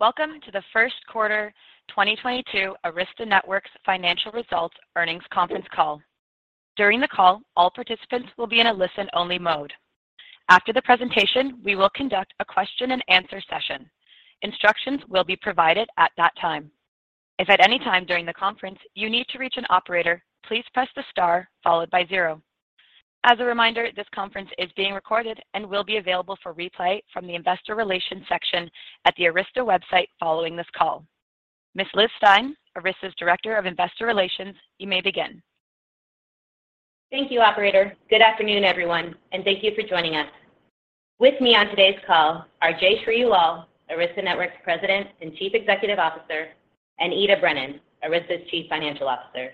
Welcome to the first quarter 2022 Arista Networks financial results earnings conference call. During the call, all participants will be in a listen-only mode. After the presentation, we will conduct a question-and-answer session. Instructions will be provided at that time. If at any time during the conference you need to reach an operator, please press the star followed by zero. As a reminder, this conference is being recorded and will be available for replay from the investor relations section at the Arista website following this call. Ms. Liz Stine, Arista's Director of Investor Relations, you may begin. Thank you, operator. Good afternoon, everyone, and thank you for joining us. With me on today's call are Jayshree Ullal, Arista Networks' President and Chief Executive Officer, and Ita Brennan, Arista's Chief Financial Officer.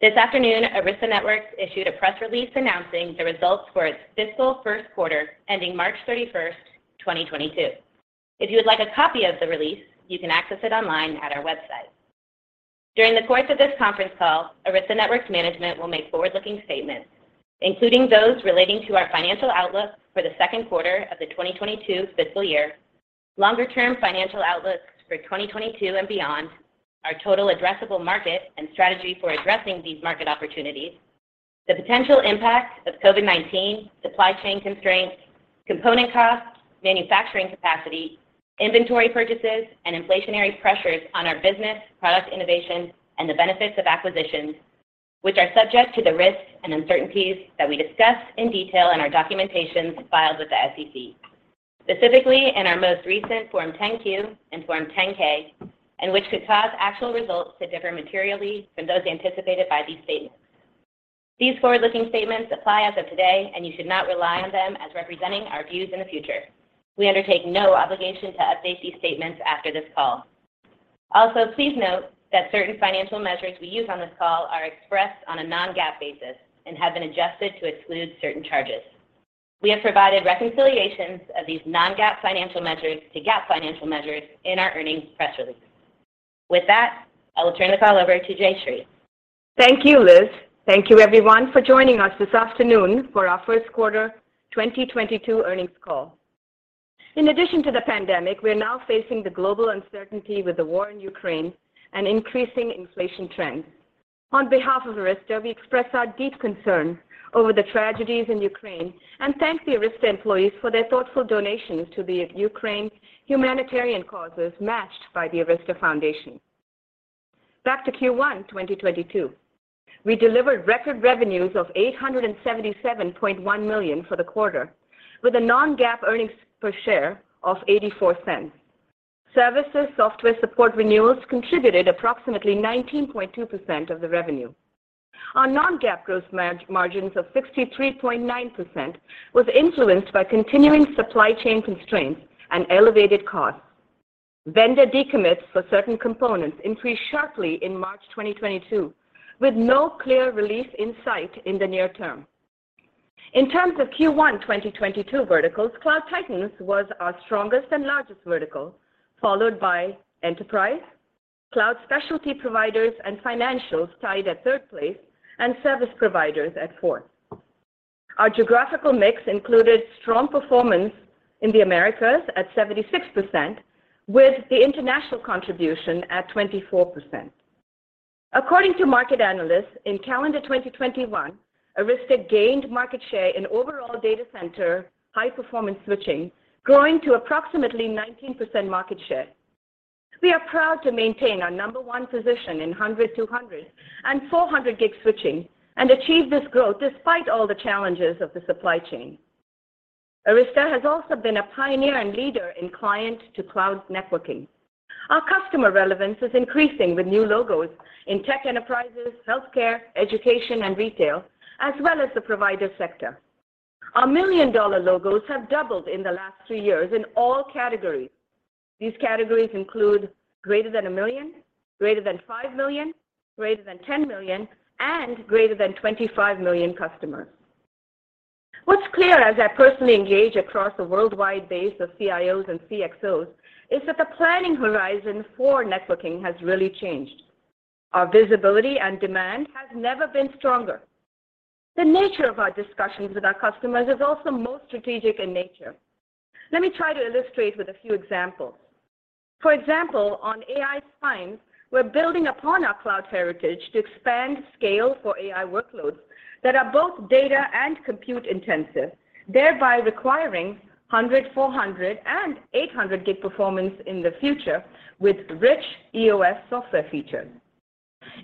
This afternoon, Arista Networks issued a press release announcing the results for its fiscal first quarter ending March 31, 2022. If you would like a copy of the release, you can access it online at our website. During the course of this conference call, Arista Networks management will make forward-looking statements, including those relating to our financial outlook for the second quarter of the 2022 fiscal year, longer-term financial outlooks for 2022 and beyond, our total addressable market and strategy for addressing these market opportunities, the potential impact of COVID-19, supply chain constraints, component costs, manufacturing capacity, inventory purchases, and inflationary pressures on our business, product innovation, and the benefits of acquisitions, which are subject to the risks and uncertainties that we discuss in detail in our documentation filed with the SEC, specifically in our most recent Form 10-Q and Form 10-K, and which could cause actual results to differ materially from those anticipated by these statements. These forward-looking statements apply as of today, and you should not rely on them as representing our views in the future. We undertake no obligation to update these statements after this call. Also, please note that certain financial measures we use on this call are expressed on a non-GAAP basis and have been adjusted to exclude certain charges. We have provided reconciliations of these non-GAAP financial measures to GAAP financial measures in our earnings press release. With that, I will turn the call over to Jayshree. Thank you, Liz. Thank you everyone for joining us this afternoon for our Q1 2022 earnings call. In addition to the pandemic, we're now facing the global uncertainty with the war in Ukraine and increasing inflation trends. On behalf of Arista, we express our deep concern over the tragedies in Ukraine and thank the Arista employees for their thoughtful donations to the Ukraine humanitarian causes matched by the Arista Foundation. Back to Q1 2022. We delivered record revenues of $877.1 million for the quarter, with a non-GAAP Earnings Per Share of $0.84. Services software support renewals contributed approximately 19.2% of the revenue. Our non-GAAP gross margins of 63.9% was influenced by continuing supply chain constraints and elevated costs. Vendor decommits for certain components increased sharply in March 2022, with no clear relief in sight in the near term. In terms of Q1 2022 verticals, Cloud Titans was our strongest and largest vertical, followed by Enterprise. Cloud specialty providers and Financials tied at third place, and Service Providers at fourth. Our geographical mix included strong performance in the Americas at 76%, with the international contribution at 24%. According to market analysts, in calendar 2021, Arista gained market share in overall data center high-performance switching, growing to approximately 19% market share. We are proud to maintain our number one position in 100, 200, and 400 gig switching and achieve this growth despite all the challenges of the supply chain. Arista has also been a pioneer and leader in client-to-cloud networking. Our customer relevance is increasing with new logos in tech enterprises, healthcare, education, and retail, as well as the provider sector. Our million-dollar logos have doubled in the last three years in all categories. These categories include greater than $1 million, greater than $5 million, greater than $10 million, and greater than $25 million customers. What's clear as I personally engage across the worldwide base of CIOs and CXOs is that the planning horizon for networking has really changed. Our visibility and demand has never been stronger. The nature of our discussions with our customers is also most strategic in nature. Let me try to illustrate with a few examples. For example, on AI spine, we're building upon our cloud heritage to expand scale for AI workloads that are both data and compute intensive, thereby requiring 100, 400, and 800 gig performance in the future with rich EOS software features.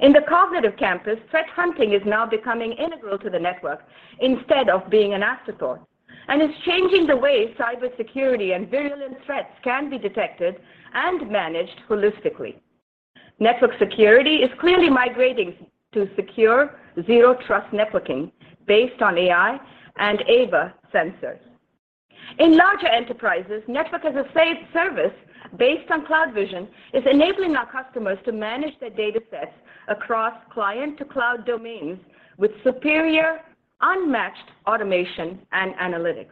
In the cognitive campus, threat hunting is now becoming integral to the network instead of being an afterthought, and it's changing the way cybersecurity and virulent threats can be detected and managed holistically. Network security is clearly migrating to secure zero trust networking based on AI and AVA sensors. In larger enterprises, network as a service based on CloudVision is enabling our customers to manage their datasets across client to cloud domains with superior, unmatched automation and analytics.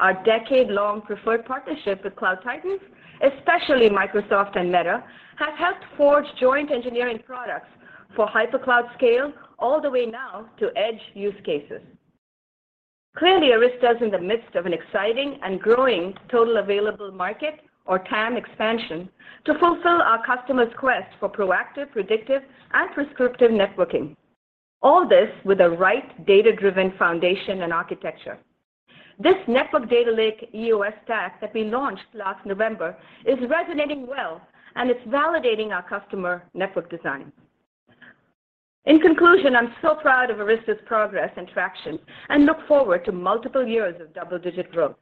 Our decade-long preferred partnership with Cloud Titans, especially Microsoft and Meta, has helped forge joint engineering products for hypercloud scale all the way now to edge use cases. Clearly, Arista is in the midst of an exciting and growing total available market or TAM expansion to fulfill our customers' quest for proactive, predictive, and prescriptive networking. All this with the right data-driven foundation and architecture. This Network Data Lake EOS stack that we launched last November is resonating well, and it's validating our customer network design. In conclusion, I'm so proud of Arista's progress and traction and look forward to multiple years of double-digit growth.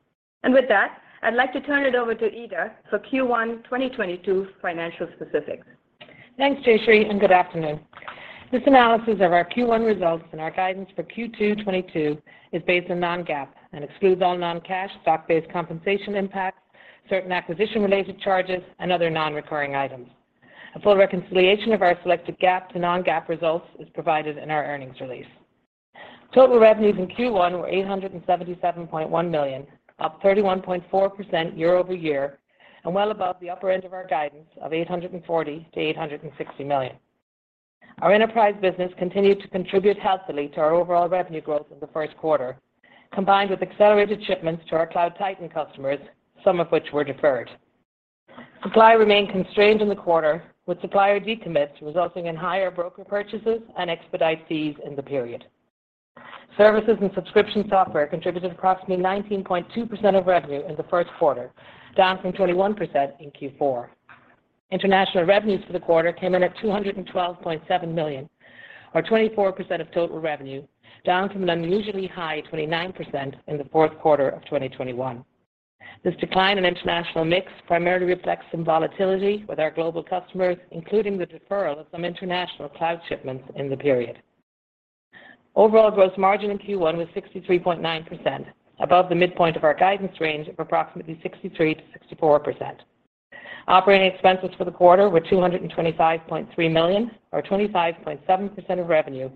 With that, I'd like to turn it over to Ita for Q1 2022 financial specifics. Thanks, Jayshree, and good afternoon. This analysis of our Q1 results and our guidance for Q2 2022 is based on non-GAAP and excludes all non-cash stock-based compensation impacts, certain acquisition-related charges, and other non-recurring items. A full reconciliation of our selected GAAP to non-GAAP results is provided in our earnings release. Total revenues in Q1 were $877.1 million, up 31.4% year-over-year and well above the upper end of our guidance of $840 million-$860 million. Our enterprise business continued to contribute healthily to our overall revenue growth in the first quarter, combined with accelerated shipments to our Cloud Titan customers, some of which were deferred. Supply remained constrained in the quarter, with supplier decommits resulting in higher broker purchases and expedite fees in the period. Services and subscription software contributed approximately 19.2% of revenue in the first quarter, down from 21% in Q4. International revenues for the quarter came in at $212.7 million, or 24% of total revenue, down from an unusually high 29% in the fourth quarter of 2021. This decline in international mix primarily reflects some volatility with our global customers, including the deferral of some international cloud shipments in the period. Overall gross margin in Q1 was 63.9%, above the midpoint of our guidance range of approximately 63%-64%. Operating expenses for the quarter were $225.3 million or 25.7% of revenue,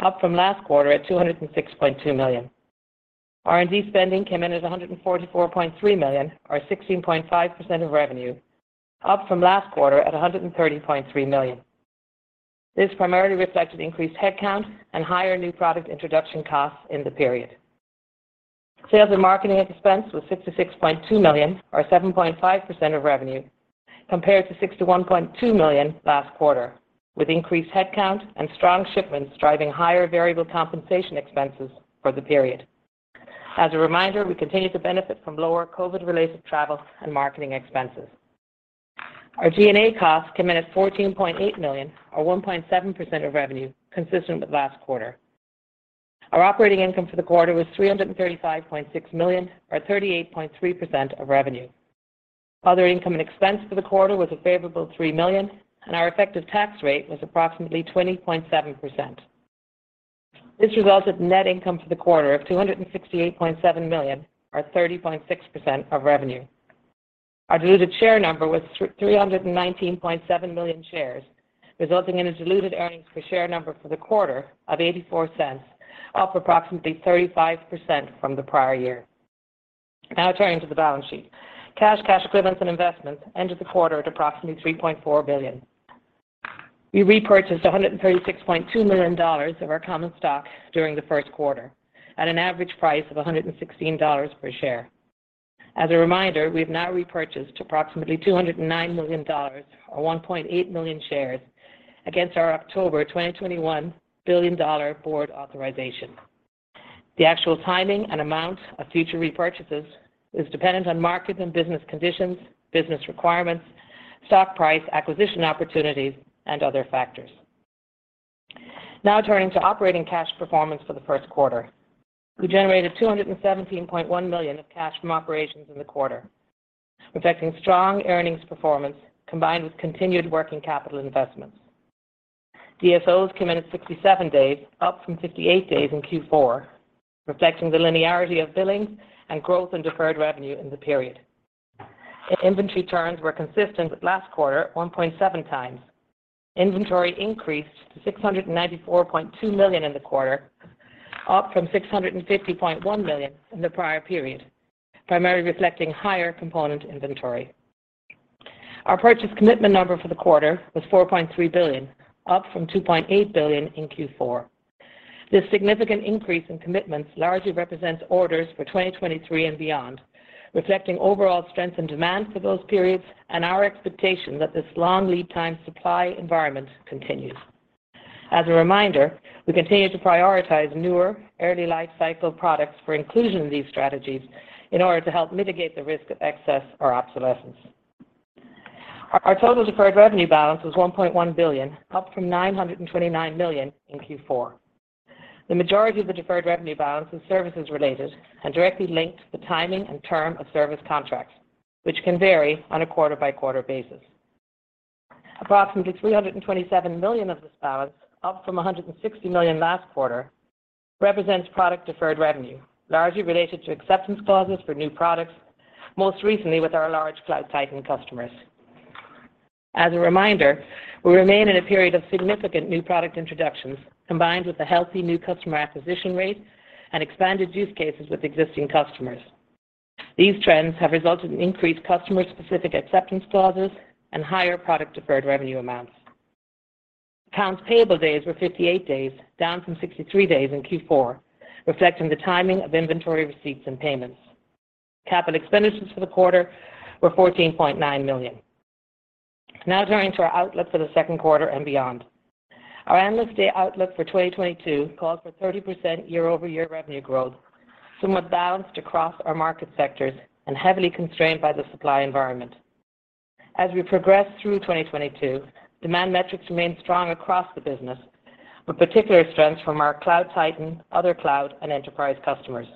up from last quarter at $206.2 million. R&D spending came in at $144.3 million or 16.5% of revenue, up from last quarter at $130.3 million. This primarily reflected increased headcount and higher new product introduction costs in the period. Sales and marketing expense was $66.2 million or 7.5% of revenue, compared to $61.2 million last quarter, with increased headcount and strong shipments driving higher variable compensation expenses for the period. As a reminder, we continue to benefit from lower COVID-related travel and marketing expenses. Our G&A costs came in at $14.8 million or 1.7% of revenue, consistent with last quarter. Our operating income for the quarter was $335.6 million or 38.3% of revenue. Other income and expense for the quarter was a favorable $3 million, and our effective tax rate was approximately 20.7%. This resulted in net income for the quarter of $268.7 million or 30.6% of revenue. Our diluted share number was three hundred and nineteen point seven million shares, resulting in a diluted earnings per share number for the quarter of $0.84, up approximately 35% from the prior year. Now turning to the balance sheet. Cash, cash equivalents, and investments ended the quarter at approximately $3.4 billion. We repurchased $136.2 million of our common stock during the first quarter at an average price of $116 per share. As a reminder, we have now repurchased approximately $209 million or 1.8 million shares against our October 2021 billion-dollar board authorization. The actual timing and amount of future repurchases is dependent on markets and business conditions, business requirements, stock price, acquisition opportunities, and other factors. Now turning to operating cash performance for the first quarter. We generated $217.1 million of cash from operations in the quarter, reflecting strong earnings performance combined with continued working capital investments. DSOs came in at 67 days, up from 58 days in Q4, reflecting the linearity of billings and growth in deferred revenue in the period. Inventory turns were consistent with last quarter at 1.7 times. Inventory increased to $694.2 million in the quarter, up from $650.1 million in the prior period, primarily reflecting higher component inventory. Our purchase commitment number for the quarter was $4.3 billion, up from $2.8 billion in Q4. This significant increase in commitments largely represents orders for 2023 and beyond, reflecting overall strength and demand for those periods and our expectation that this long lead time supply environment continues. As a reminder, we continue to prioritize newer, early lifecycle products for inclusion in these strategies in order to help mitigate the risk of excess or obsolescence. Our total deferred revenue balance was $1.1 billion, up from $929 million in Q4. The majority of the deferred revenue balance is services related and directly linked to the timing and term of service contracts, which can vary on a quarter-by-quarter basis. Approximately $327 million of this balance, up from $160 million last quarter, represents product deferred revenue, largely related to acceptance clauses for new products, most recently with our large Cloud Titans customers. As a reminder, we remain in a period of significant new product introductions, combined with a healthy new customer acquisition rate and expanded use cases with existing customers. These trends have resulted in increased customer-specific acceptance clauses and higher product deferred revenue amounts. Accounts payable days were 58 days, down from 63 days in Q4, reflecting the timing of inventory receipts and payments. Capital expenditures for the quarter were $14.9 million. Now turning to our outlook for the second quarter and beyond. Our Analyst Day outlook for 2022 calls for 30% year-over-year revenue growth, somewhat balanced across our market sectors and heavily constrained by the supply environment. As we progress through 2022, demand metrics remain strong across the business, with particular strength from our Cloud Titan, other cloud, and enterprise customers.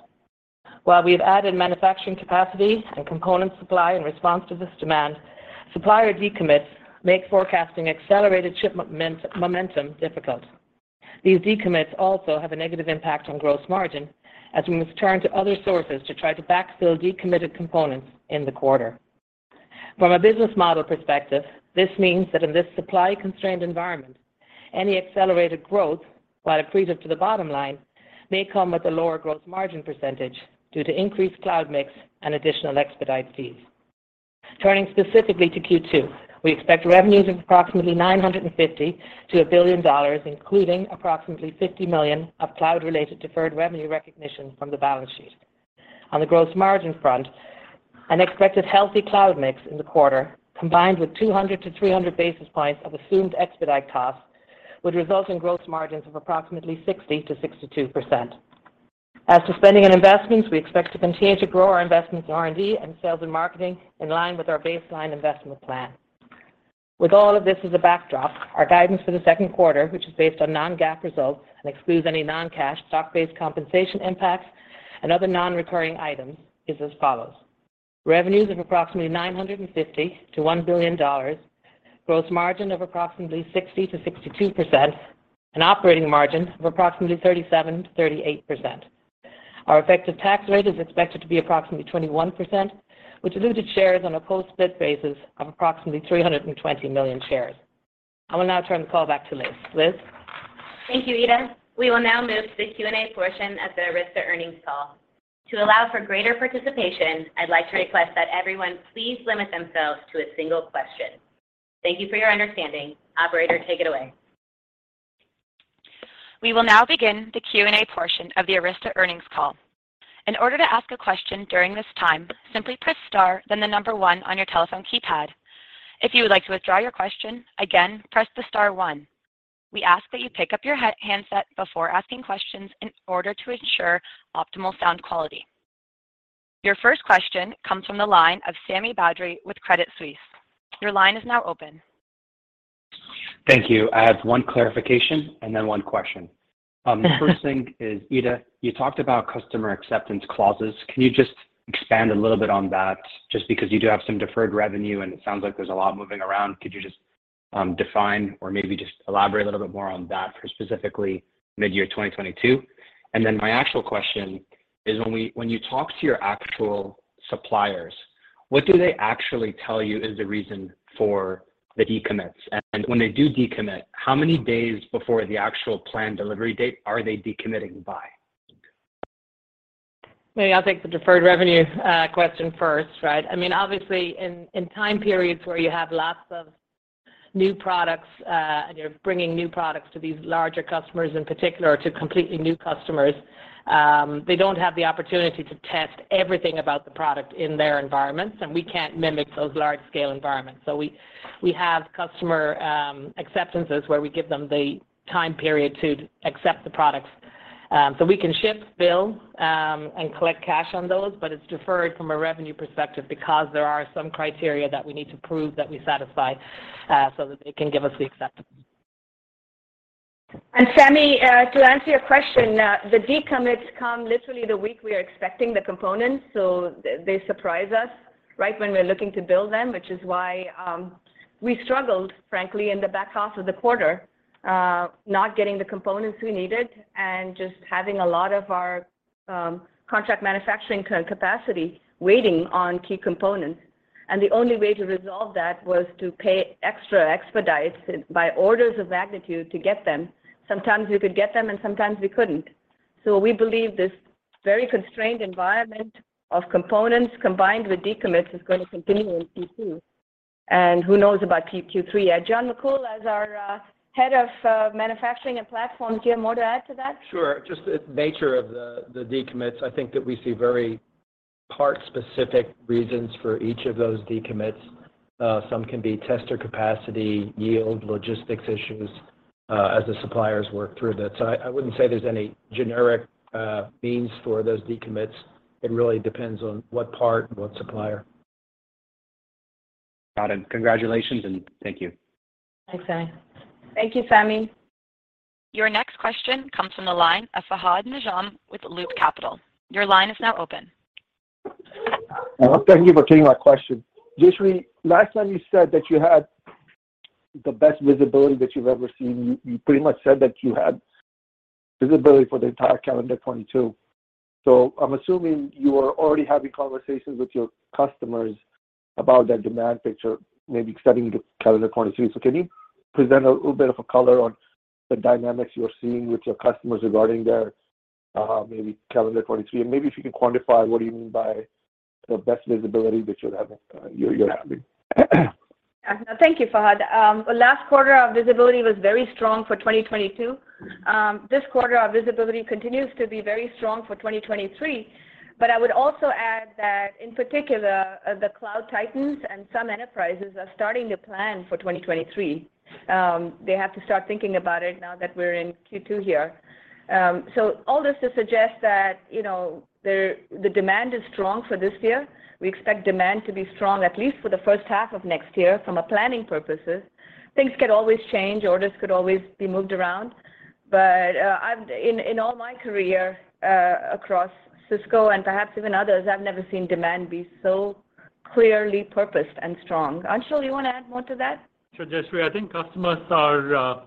While we have added manufacturing capacity and component supply in response to this demand, supplier decommits make forecasting accelerated shipment momentum difficult. These decommits also have a negative impact on gross margin, as we must turn to other sources to try to backfill decommitted components in the quarter. From a business model perspective, this means that in this supply-constrained environment, any accelerated growth, while accretive to the bottom line, may come with a lower gross margin percentage due to increased cloud mix and additional expedite fees. Turning specifically to Q2, we expect revenues of approximately $950 million-$1 billion, including approximately $50 million of cloud-related deferred revenue recognition from the balance sheet. On the gross margin front, an expected healthy cloud mix in the quarter, combined with 200-300 basis points of assumed expedite costs, would result in gross margins of approximately 60%-62%. As to spending and investments, we expect to continue to grow our investments in R&D and sales and marketing in line with our baseline investment plan. With all of this as a backdrop, our guidance for the second quarter, which is based on non-GAAP results and excludes any non-cash stock-based compensation impacts and other non-recurring items, is as follows. Revenues of approximately $950 million-$1 billion, gross margin of approximately 60%-62%, and operating margin of approximately 37%-38%. Our effective tax rate is expected to be approximately 21%, which dilutes shares on a post-split basis of approximately 320 million shares. I will now turn the call back to Liz. Liz. Thank you, Ita. We will now move to the Q&A portion of the Arista earnings call. To allow for greater participation, I'd like to request that everyone please limit themselves to a single question. Thank you for your understanding. Operator, take it away. We will now begin the Q&A portion of the Arista earnings call. In order to ask a question during this time, simply press star then the number one on your telephone keypad. If you would like to withdraw your question, again, press the star one. We ask that you pick up your handset before asking questions in order to ensure optimal sound quality. Your first question comes from the line of Sami Badri with Credit Suisse. Your line is now open. Thank you. I have one clarification and then one question. The first thing is, Ita, you talked about customer acceptance clauses. Can you just expand a little bit on that? Just because you do have some deferred revenue, and it sounds like there's a lot moving around, could you just define or maybe just elaborate a little bit more on that for specifically midyear 2022? And then my actual question is when you talk to your actual suppliers, what do they actually tell you is the reason for the decommits? And when they do decommit, how many days before the actual planned delivery date are they decommitting by? Maybe I'll take the deferred revenue question first, right? I mean, obviously, in time periods where you have lots of new products and you're bringing new products to these larger customers in particular, to completely new customers, they don't have the opportunity to test everything about the product in their environments, and we can't mimic those large-scale environments. So we have customer acceptances where we give them the time period to accept the products. So we can ship, bill, and collect cash on those, but it's deferred from a revenue perspective because there are some criteria that we need to prove that we satisfy, so that they can give us the acceptance. Sami, to answer your question, the decommits come literally the week we are expecting the components, so they surprise us right when we're looking to build them, which is why we struggled, frankly, in the back half of the quarter, not getting the components we needed and just having a lot of our contract manufacturing capacity waiting on key components. The only way to resolve that was to pay extra expedite by orders of magnitude to get them. Sometimes we could get them, and sometimes we couldn't. We believe this very constrained environment of components combined with decommits is going to continue in Q2, and who knows about Q3. John McCool, as our head of manufacturing and platforms, you have more to add to that? Sure. Just the nature of the decommits, I think that we see very part-specific reasons for each of those decommits. Some can be tester capacity, yield, logistics issues, as the suppliers work through that. I wouldn't say there's any generic means for those decommits. It really depends on what part and what supplier. Got it. Congratulations, and thank you. Thanks, Sami. Thank you, Sami. Your next question comes from the line of Fahad Najam with Loop Capital. Your line is now open. Thank you for taking my question. Jayshree, last time you said that you had the best visibility that you've ever seen. You pretty much said that you had visibility for the entire calendar 2022. I'm assuming you are already having conversations with your customers about their demand picture, maybe extending to calendar 2023. Can you present a little bit of a color on the dynamics you are seeing with your customers regarding their maybe calendar 2023? Maybe if you can quantify what you mean by The best visibility that you're having. No thank you, Fahad. Last quarter our visibility was very strong for 2022. This quarter our visibility continues to be very strong for 2023, but I would also add that in particular, the Cloud Titans and some enterprises are starting to plan for 2023. They have to start thinking about it now that we're in Q2 here. So all this to suggest that, you know, their demand is strong for this year. We expect demand to be strong at least for the H1 of next year from a planning purposes. Things could always change, orders could always be moved around. I've, in all my career, across Cisco and perhaps even others, I've never seen demand be so clearly purposed and strong. Anshul, you want to add more to that? Sure, Jayshree. I think customers are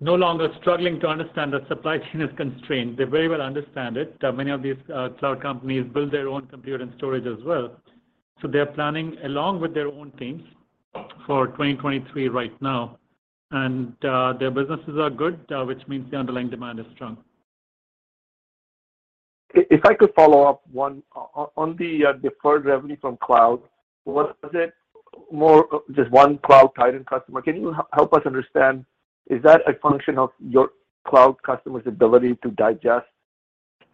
no longer struggling to understand that supply chain is constrained. They very well understand it. Many of these cloud companies build their own compute and storage as well. So they're planning along with their own teams for 2023 right now. Their businesses are good, which means the underlying demand is strong. If I could follow up on the deferred revenue from cloud, was it more just one Cloud Titan customer? Can you help us understand, is that a function of your cloud customer's ability to digest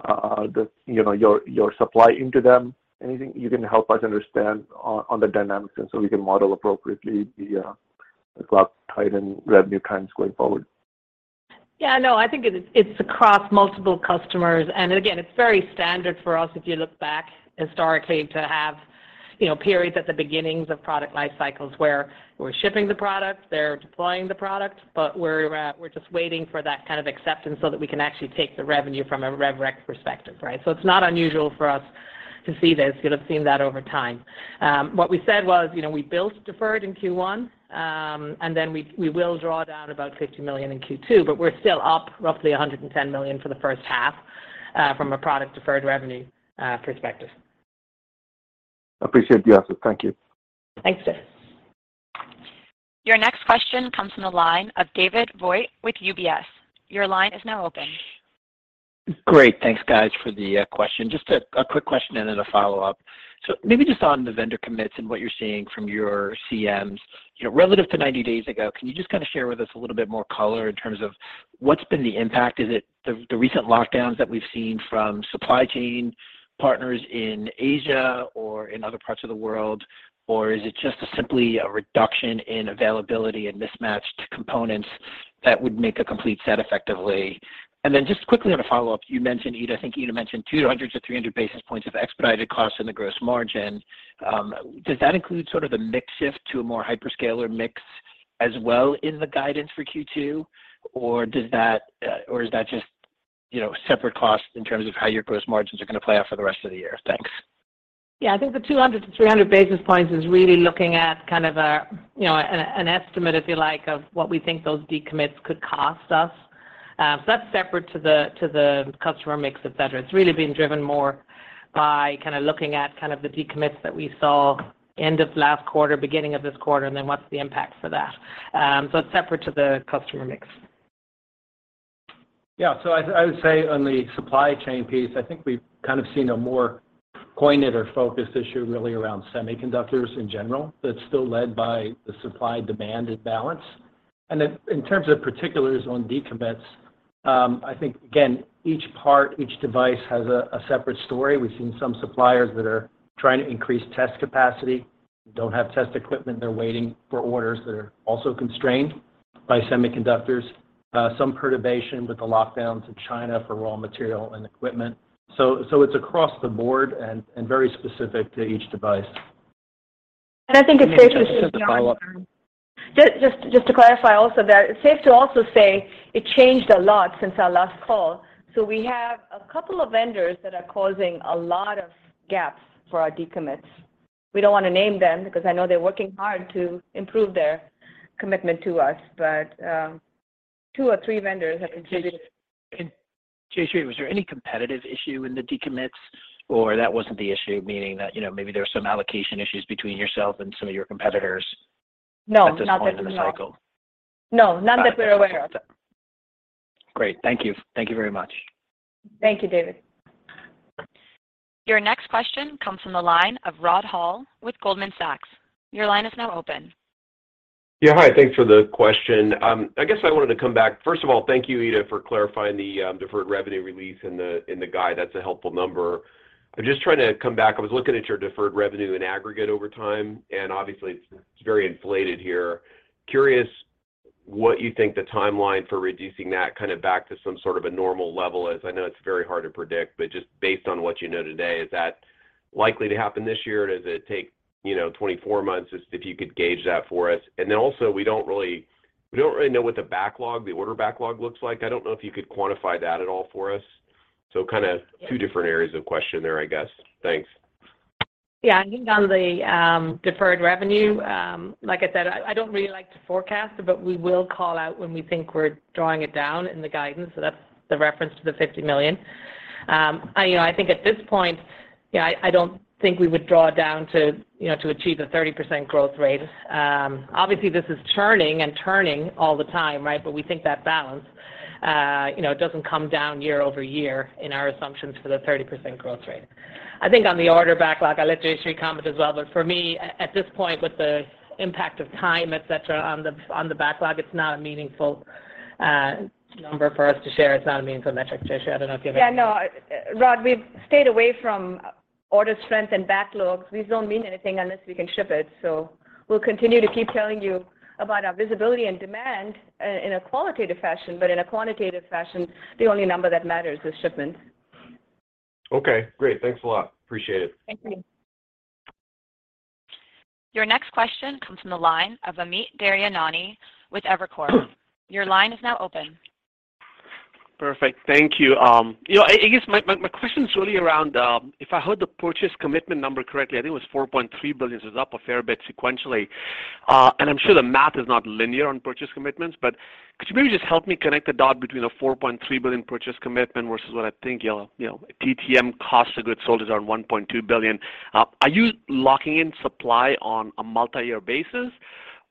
the you know your supply into them? Anything you can help us understand on the dynamics and so we can model appropriately the Cloud Titan revenue trends going forward. Yeah, no, I think it is, it's across multiple customers. Again, it's very standard for us, if you look back historically, to have, you know, periods at the beginnings of product life cycles where we're shipping the product, they're deploying the product, but we're just waiting for that kind of acceptance so that we can actually take the revenue from a rev rec perspective, right? It's not unusual for us to see this. You'd have seen that over time. What we said was, you know, we built deferred in Q1, and then we will draw down about $50 million in Q2, but we're still up roughly $110 million for the H1, from a product deferred revenue perspective. Appreciate the answer. Thank you. Thanks, Dave. Your next question comes from the line of David Vogt with UBS. Your line is now open. Great. Thanks guys for the question. Just a quick question and then a follow-up. Maybe just on the vendor commits and what you're seeing from your CMs. You know, relative to 90 days ago, can you just kind of share with us a little bit more color in terms of what's been the impact? Is it the recent lockdowns that we've seen from supply chain partners in Asia or in other parts of the world, or is it just simply a reduction in availability and mismatched components that would make a complete set effectively? Then just quickly on a follow-up, you mentioned, Ita, I think Ita mentioned 200-300 basis points of expedited costs in the gross margin. Does that include sort of the mix shift to a more hyperscaler mix as well in the guidance for Q2? Is that just, you know, separate costs in terms of how your gross margins are going to play out for the rest of the year? Thanks. Yeah. I think the 200-300 basis points is really looking at kind of a, you know, an estimate, if you like, of what we think those decommits could cost us. That's separate to the customer mix, et cetera. It's really being driven more by kind of looking at kind of the decommits that we saw end of last quarter, beginning of this quarter, and then what's the impact for that. It's separate to the customer mix. Yeah. I would say on the supply chain piece, I think we've kind of seen a more pointed or focused issue really around semiconductors in general, that's still led by the supply-demand imbalance. In terms of particulars on decommits, I think again, each part, each device has a separate story. We've seen some suppliers that are trying to increase test capacity, don't have test equipment. They're waiting for orders that are also constrained by semiconductors. Some perturbation with the lockdowns in China for raw material and equipment. It's across the board and very specific to each device. I think it's safe to say. Maybe just a follow-up. Just to clarify also that it's safe to also say it changed a lot since our last call. We have a couple of vendors that are causing a lot of gaps for our decommits. We don't want to name them because I know they're working hard to improve their commitment to us. Two or three vendors have contributed. Jayshree, was there any competitive issue in the decommits, or that wasn't the issue? Meaning that, you know, maybe there were some allocation issues between yourself and some of your competitors- No, not that we are aware of. at this point in the cycle. No, none that we're aware of. Great. Thank you. Thank you very much. Thank you, David. Your next question comes from the line of Rod Hall with Goldman Sachs. Your line is now open. Yeah. Hi. Thanks for the question. I guess I wanted to come back. First of all, thank you, Ita, for clarifying the deferred revenue release in the guide. That's a helpful number. I'm just trying to come back. I was looking at your deferred revenue in aggregate over time, and obviously it's very inflated here. Curious what you think the timeline for reducing that kind of back to some sort of a normal level is. I know it's very hard to predict, but just based on what you know today, is that likely to happen this year? Does it take, you know, 24 months? Just if you could gauge that for us. Then also we don't really know what the backlog, the order backlog looks like. I don't know if you could quantify that at all for us. kind of two different areas of question there, I guess. Thanks. Yeah. I think on the deferred revenue, like I said, I don't really like to forecast, but we will call out when we think we're drawing it down in the guidance. That's the reference to the $50 million. You know, I think at this point, you know, I don't think we would draw down to achieve a 30% growth rate. Obviously this is churning and turning all the time, right? We think that balance. You know, it doesn't come down year-over-year in our assumptions for the 30% growth rate. I think on the order backlog, I'll let Jayshree comment as well, but for me at this point, with the impact of time, et cetera, on the backlog, it's not a meaningful number for us to share. It's not a meaningful metric. Jayshree, I don't know if you have anything. Yeah, no. Rod, we've stayed away from order strength and backlogs. These don't mean anything unless we can ship it. We'll continue to keep telling you about our visibility and demand in a qualitative fashion, but in a quantitative fashion, the only number that matters is shipments. Okay, great. Thanks a lot. Appreciate it. Thank you. Your next question comes from the line of Amit Daryanani with Evercore. Your line is now open. Perfect. Thank you. You know, I guess my question's really around if I heard the purchase commitment number correctly. I think it was $4.3 billion, so it's up a fair bit sequentially. I'm sure the math is not linear on purchase commitments, but could you maybe just help me connect the dots between a $4.3 billion purchase commitment versus what I think you'll, you know, TTM cost of goods sold is around $1.2 billion. Are you locking in supply on a multi-year basis,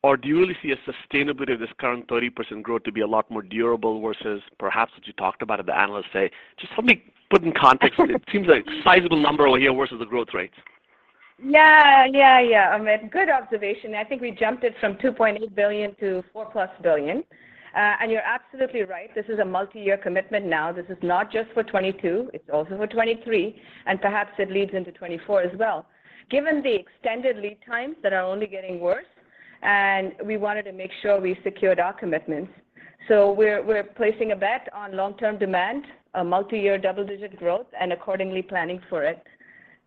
or do you really see a sustainability of this current 30% growth to be a lot more durable versus perhaps, as you talked about, the analysts say. Just help me put in context because it seems a sizable number over here versus the growth rates. Yeah. Yeah. Yeah, Amit. Good observation. I think we jumped it from $2.8 billion-$4+ billion. You're absolutely right, this is a multi-year commitment now. This is not just for 2022, it's also for 2023, and perhaps it leads into 2024 as well. Given the extended lead times that are only getting worse, we wanted to make sure we secured our commitments. We're placing a bet on long-term demand, a multi-year double-digit growth, and accordingly planning for it.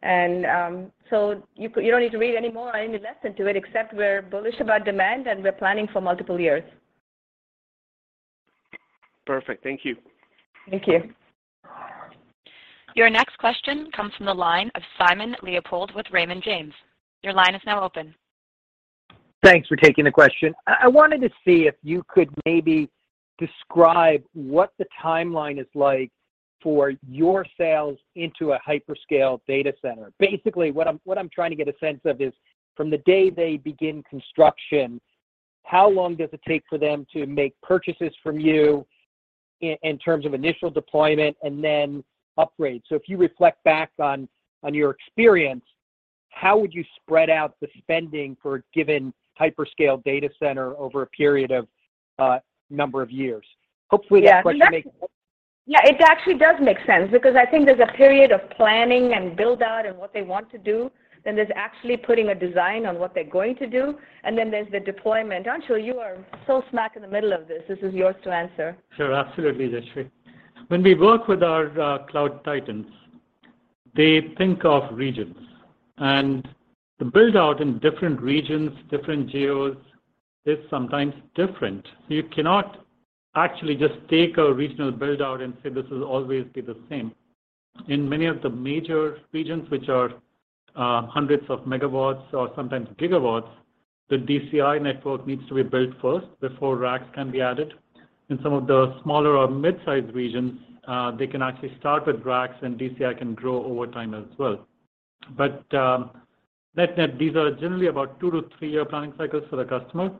You don't need to read any more or any less into it, except we're bullish about demand, and we're planning for multiple years. Perfect. Thank you. Thank you. Your next question comes from the line of Simon Leopold with Raymond James. Your line is now open. Thanks for taking the question. I wanted to see if you could maybe describe what the timeline is like for your sales into a hyperscale data center. Basically, what I'm trying to get a sense of is, from the day they begin construction, how long does it take for them to make purchases from you in terms of initial deployment and then upgrade? If you reflect back on your experience, how would you spread out the spending for a given hyperscale data center over a period of a number of years? Hopefully that question makes- Yeah. Yeah, it actually does make sense because I think there's a period of planning and build-out and what they want to do, then there's actually putting a design on what they're going to do, and then there's the deployment. Anshul, you are so smack in the middle of this. This is yours to answer. Sure. Absolutely, Jayshree. When we work with our Cloud Titans, they think of regions, and the build-out in different regions, different geos is sometimes different. You cannot actually just take a regional build-out and say, "This will always be the same." In many of the major regions, which are hundreds of MW or sometimes gigawatts, the DCI network needs to be built first before racks can be added. In some of the smaller or mid-sized regions, they can actually start with racks, and DCI can grow over time as well. These are generally about two-three-year planning cycles for the customer,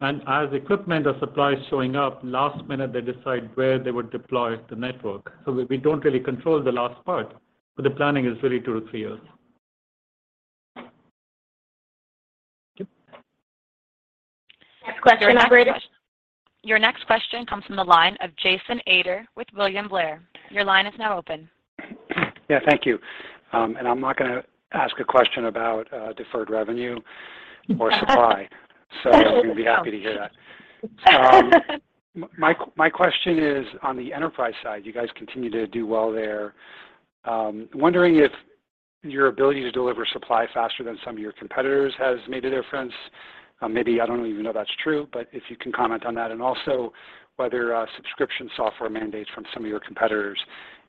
and as equipment or supply is showing up, last minute they decide where they would deploy the network. We don't really control the last part, but the planning is really two-three years. Next question, operator. Your next question comes from the line of Jason Ader with William Blair. Your line is now open. Yeah. Thank you. I'm not gonna ask a question about deferred revenue or supply. You'll be happy to hear that. My question is on the enterprise side. You guys continue to do well there. Wondering if your ability to deliver supply faster than some of your competitors has made a difference. Maybe I don't even know if that's true, but if you can comment on that, and also whether subscription software mandates from some of your competitors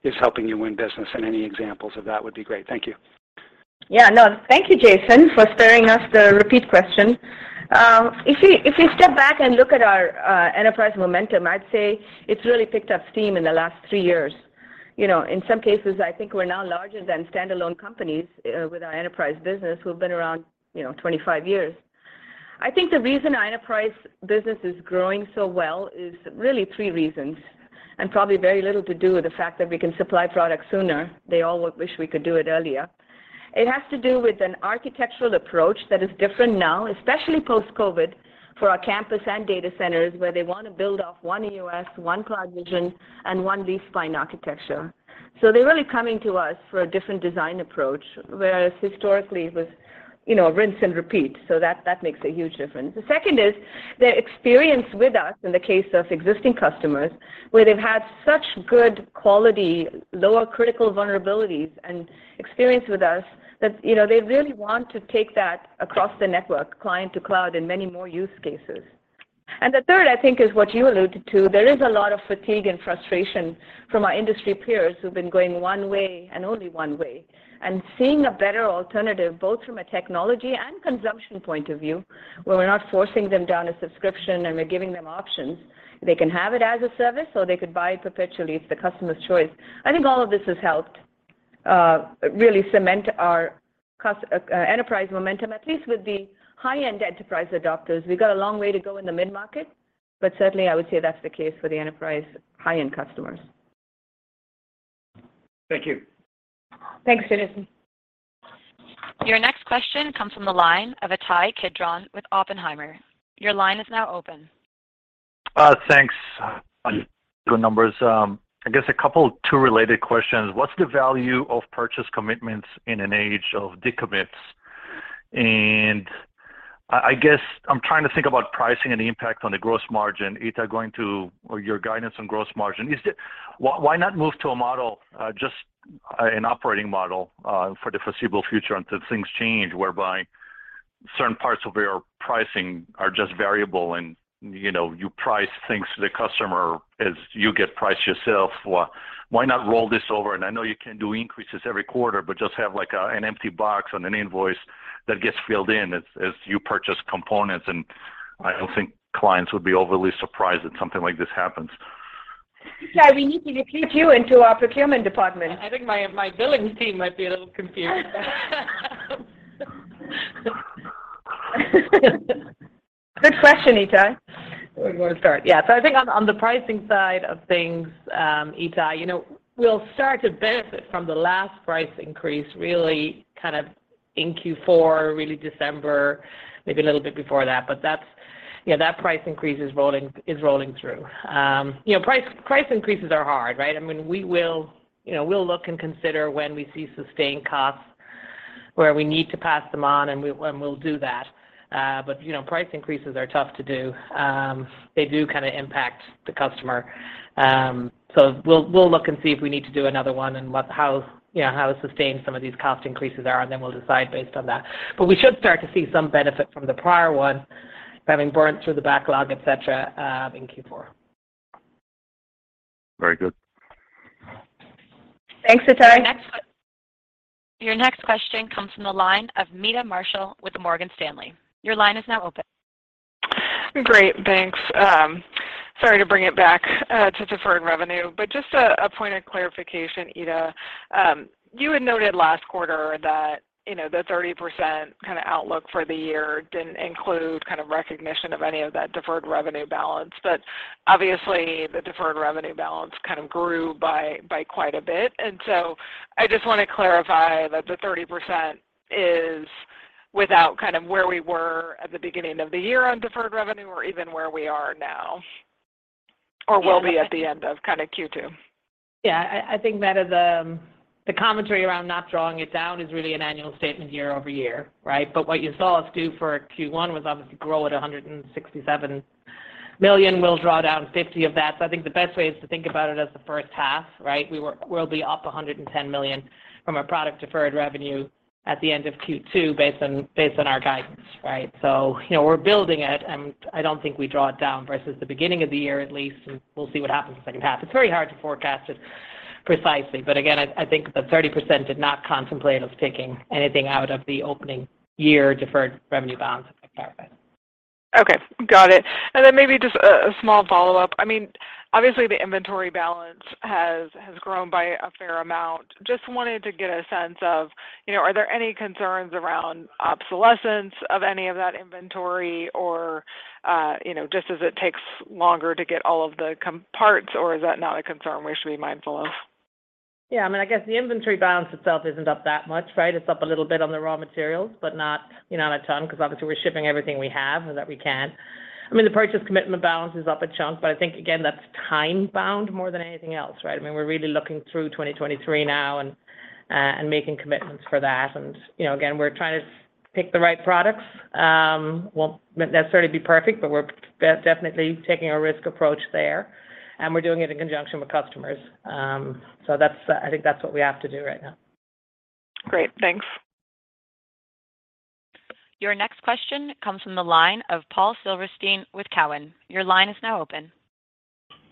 is helping you win business, and any examples of that would be great. Thank you. Yeah, no. Thank you, Jason, for sparing us the repeat question. If you step back and look at our enterprise momentum, I'd say it's really picked up steam in the last three years. You know, in some cases, I think we're now larger than standalone companies with our enterprise business who have been around, you know, 25 years. I think the reason our enterprise business is growing so well is really three reasons, and probably very little to do with the fact that we can supply product sooner. They all would wish we could do it earlier. It has to do with an architectural approach that is different now, especially post-COVID, for our campus and data centers, where they want to build off one EOS, one cloud region, and one Leaf-Spine architecture. They're really coming to us for a different design approach, whereas historically it was, you know, rinse and repeat. That makes a huge difference. The second is their experience with us in the case of existing customers, where they've had such good quality, lower critical vulnerabilities and experience with us that, you know, they really want to take that across the network, client to cloud, in many more use cases. The third, I think, is what you alluded to. There is a lot of fatigue and frustration from our industry peers who've been going one way and only one way, and seeing a better alternative, both from a technology and consumption point of view, where we're not forcing them down a subscription, and we're giving them options. They can have it as a service, or they could buy it perpetually. It's the customer's choice. I think all of this has helped. Really cement our enterprise momentum, at least with the high-end enterprise adopters. We've got a long way to go in the mid-market, but certainly I would say that's the case for the enterprise high-end customers. Thank you. Thanks, Dennis. Your next question comes from the line of Ittai Kidron with Oppenheimer. Your line is now open. Thanks. Good numbers. I guess two related questions. What's the value of purchase commitments in an age of decommits? I guess I'm trying to think about pricing and the impact on the gross margin, Ita, going to or your guidance on gross margin. Why not move to a model, just an operating model, for the foreseeable future until things change, whereby certain parts of your pricing are just variable and, you know, you price things to the customer as you get priced yourself? Why not roll this over? I know you can do increases every quarter, but just have, like, an empty box on an invoice that gets filled in as you purchase components, and I don't think clients would be overly surprised if something like this happens. Ittai, we need to recruit you into our procurement department. I think my billing team might be a little confused. Good question, Ittai. Who wants to start? Yeah. I think on the pricing side of things, Ittai, you know, we'll start to benefit from the last price increase really kind of in Q4, really December, maybe a little bit before that, but that's. Yeah, that price increase is rolling through. You know, price increases are hard, right? I mean, we will. You know, we'll look and consider when we see sustained costs where we need to pass them on, and we'll do that. But you know, price increases are tough to do. They do kinda impact the customer. We'll look and see if we need to do another one and how. You know, how sustained some of these cost increases are, and then we'll decide based on that. We should start to see some benefit from the prior one having burned through the backlog, et cetera, in Q4. Very good. Thanks, Ittai. Your next question comes from the line of Meta Marshall with Morgan Stanley. Your line is now open. Great, thanks. Sorry to bring it back to deferred revenue, but just a point of clarification, Ita. You had noted last quarter that, you know, the 30% kinda outlook for the year didn't include kind of recognition of any of that deferred revenue balance. But obviously the deferred revenue balance kind of grew by quite a bit. I just wanna clarify that the 30% is without kind of where we were at the beginning of the year on deferred revenue or even where we are now or will be at the end of kinda Q2. Yeah. I think, Meta, the commentary around not drawing it down is really an annual statement year-over-year, right? What you saw us do for Q1 was obviously grow at $167 million. We'll draw down $50 of that. I think the best way is to think about it as the H1, right? We'll be up $110 million from our product deferred revenue at the end of Q2 based on our guidance, right? You know, we're building it, and I don't think we draw it down versus the beginning of the year at least, and we'll see what happens the H2. It's very hard to forecast it precisely, but again, I think the 30% did not contemplate us taking anything out of the opening year deferred revenue balance, if that clarifies. Okay. Got it. Maybe just a small follow-up. I mean, obviously the inventory balance has grown by a fair amount. Just wanted to get a sense of, you know, are there any concerns around obsolescence of any of that inventory or, you know, just as it takes longer to get all of the components, or is that not a concern we should be mindful of? Yeah. I mean, I guess the inventory balance itself isn't up that much, right? It's up a little bit on the raw materials, but not, you know, not a ton, 'cause obviously we're shipping everything we have and that we can. I mean, the purchase commitment balance is up a chunk, but I think, again, that's time bound more than anything else, right? I mean, we're really looking through 2023 now and making commitments for that. You know, again, we're trying to pick the right products. Won't necessarily be perfect, but we're definitely taking a risk approach there, and we're doing it in conjunction with customers. That's what we have to do right now. Great. Thanks. Your next question comes from the line of Paul Silverstein with Cowen. Your line is now open.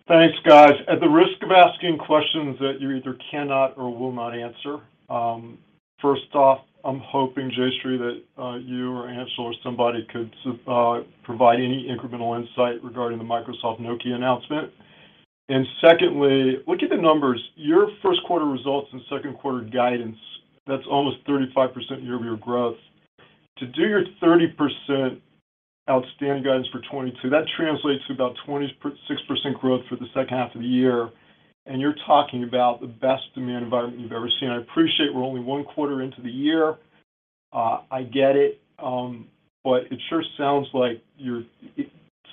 Thanks, guys. At the risk of asking questions that you either cannot or will not answer, first off, I'm hoping, Jayshree, that you or Anshul or somebody could provide any incremental insight regarding the Microsoft Nokia announcement. Secondly, looking at the numbers, your first quarter results and second quarter guidance, that's almost 35% year-over-year growth. To do your 30% outstanding guidance for 2022, that translates to about 26% growth for the H2 of the year, and you're talking about the best demand environment you've ever seen. I appreciate we're only one quarter into the year. I get it. But it sure sounds like you're,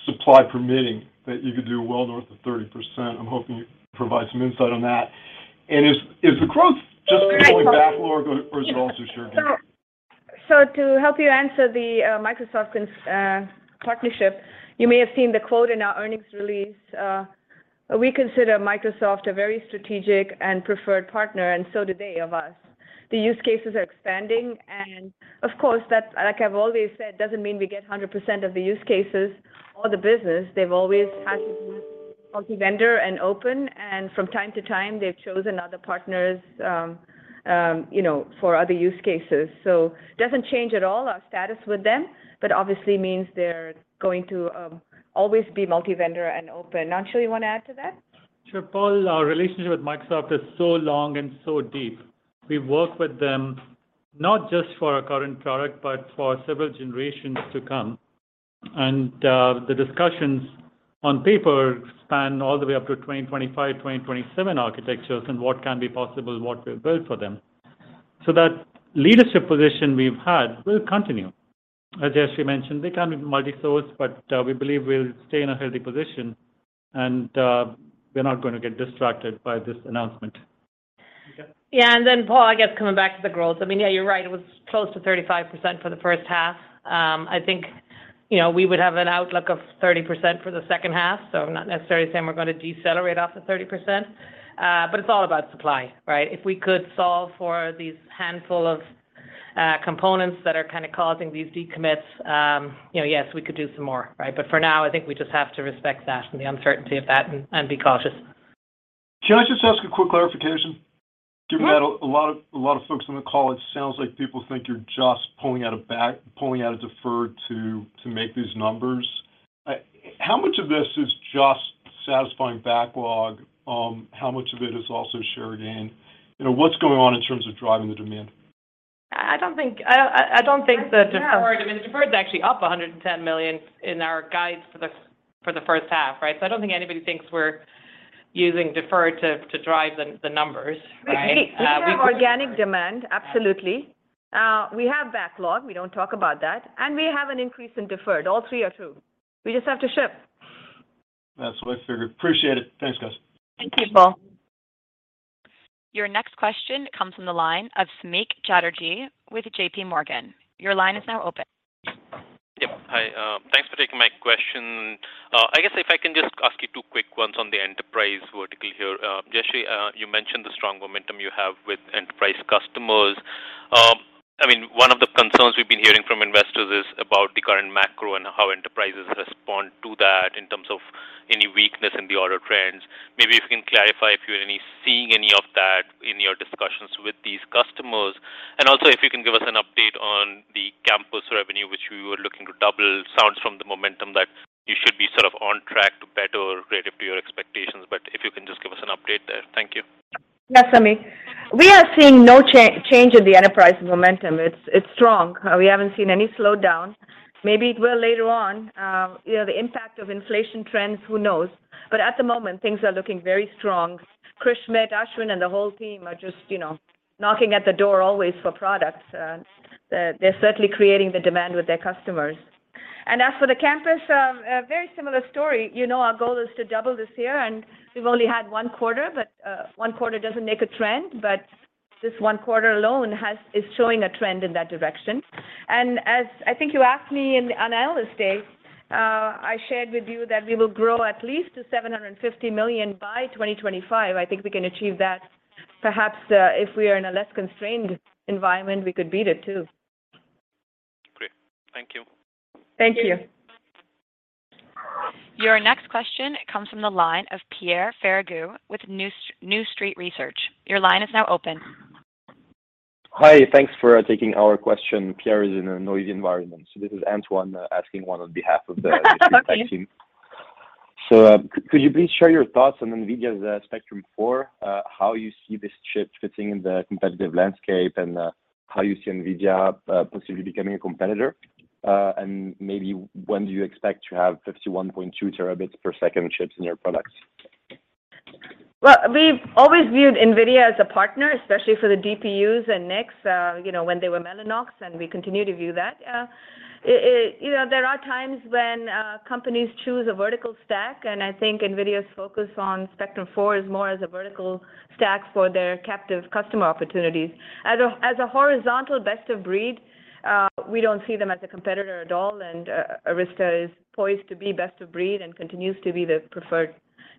supply permitting, that you could do well north of 30%. I'm hoping you can provide some insight on that. Is the growth just coming from backlog or is it also share gains? To help you answer the Microsoft partnership, you may have seen the quote in our earnings release. We consider Microsoft a very strategic and preferred partner, and so do they of us. The use cases are expanding, and of course that's, like I've always said, doesn't mean we get 100% of the use cases or the business. They've always multi-vendor and open, and from time to time, they've chosen other partners, you know, for other use cases. Doesn't change at all our status with them, but obviously means they're going to always be multi-vendor and open. Anshul, you wanna add to that? Sure, Paul. Our relationship with Microsoft is so long and so deep. We've worked with them, not just for our current product, but for several generations to come. The discussions on paper span all the way up to 2025, 2027 architectures and what can be possible, what we'll build for them. That leadership position we've had will continue. As Jayshree mentioned, we can be multi-source, but we believe we'll stay in a healthy position and we're not gonna get distracted by this announcement. Yeah. Then Paul, I guess coming back to the growth. I mean, yeah, you're right. It was close to 35% for the H1. I think, you know, we would have an outlook of 30% for the H2, so I'm not necessarily saying we're gonna decelerate off the 30%. It's all about supply, right? If we could solve for these handful of components that are kinda causing these decommits, you know, yes, we could do some more, right? For now, I think we just have to respect that and the uncertainty of that and be cautious. Can I just ask a quick clarification? Sure. Given that a lot of folks on the call, it sounds like people think you're just pulling out deferred, too, to make these numbers. How much of this is just satisfying backlog? How much of it is also share gain? You know, what's going on in terms of driving the demand? I don't think the deferred I mean, the deferred's actually up $110 million in our guides for the H1, right? I don't think anybody thinks we're using deferred to drive the numbers, right? We could We have organic demand, absolutely. We have backlog, we don't talk about that, and we have an increase in deferred. All three are true. We just have to ship. That's what I figured. Appreciate it. Thanks, guys. Thank you, Paul. Your next question comes from the line of Samik Chatterjee with JPMorgan. Your line is now open. Thanks for taking my question. I guess if I can just ask you two quick ones on the enterprise vertical here. Jayshree, you mentioned the strong momentum you have with enterprise customers. I mean, one of the concerns we've been hearing from investors is about the current macro and how enterprises respond to that in terms of any weakness in the order trends. Maybe if you can clarify if you're seeing any of that in your discussions with these customers. Also, if you can give us an update on the campus revenue, which we were looking to double. Sounds like from the momentum that you should be sort of on track to better relative to your expectations, but if you can just give us an update there. Thank you. Yeah, Samik. We are seeing no change in the enterprise momentum. It's strong. We haven't seen any slowdown. Maybe it will later on. You know, the impact of inflation trends, who knows? At the moment, things are looking very strong. Krish, Mitt, Ashwin, and the whole team are just, you know, knocking at the door always for products. They're certainly creating the demand with their customers. As for the campus, a very similar story. You know, our goal is to double this year, and we've only had one quarter, but one quarter doesn't make a trend. This one quarter alone is showing a trend in that direction. As I think you asked me on Analyst Day, I shared with you that we will grow at least to $750 million by 2025. I think we can achieve that. Perhaps, if we are in a less constrained environment, we could beat it too. Great. Thank you. Thank you. Your next question comes from the line of Pierre Ferragu with New Street Research. Your line is now open. Hi. Thanks for taking our question. Pierre is in a noisy environment, so this is Antoine, asking on behalf of the- Okay New Street team. Could you please share your thoughts on NVIDIA's Spectrum-4, how you see this chip fitting in the competitive landscape and how you see NVIDIA possibly becoming a competitor? And maybe when do you expect to have 51.2 terabits per second chips in your products? Well, we've always viewed NVIDIA as a partner, especially for the DPUs and NICs, you know, when they were Mellanox, and we continue to view that. You know, there are times when companies choose a vertical stack, and I think NVIDIA's focus on Spectrum-4 is more as a vertical stack for their captive customer opportunities. As a horizontal best of breed, we don't see them as a competitor at all, and Arista is poised to be best of breed and continues to be the preferred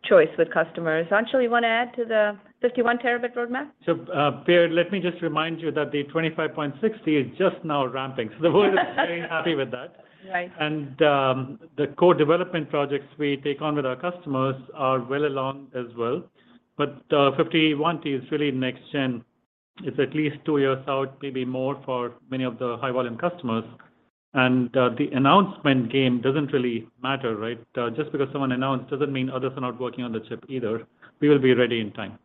choice with customers. Antoine, you wanna add to the 51-terabit roadmap? Pierre, let me just remind you that the 25.6T is just now ramping, so the world is very happy with that. Right. The co-development projects we take on with our customers are well along as well. 51T is really next gen. It's at least two years out, maybe more for many of the high volume customers. The announcement game doesn't really matter, right? Just because someone announced doesn't mean others are not working on the chip either. We will be ready in time.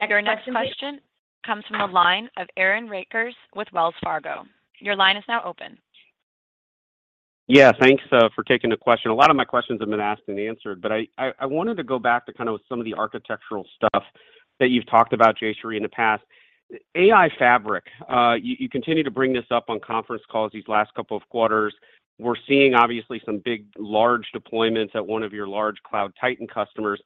Our next question comes from the line of Aaron Rakers with Wells Fargo. Your line is now open. Yeah. Thanks for taking the question. A lot of my questions have been asked and answered, but I wanted to go back to some of the architectural stuff that you've talked about, Jayshree, in the past. AI spine, you continue to bring this up on conference calls these last couple of quarters. We're seeing obviously some big, large deployments at one of your large Cloud Titan customers.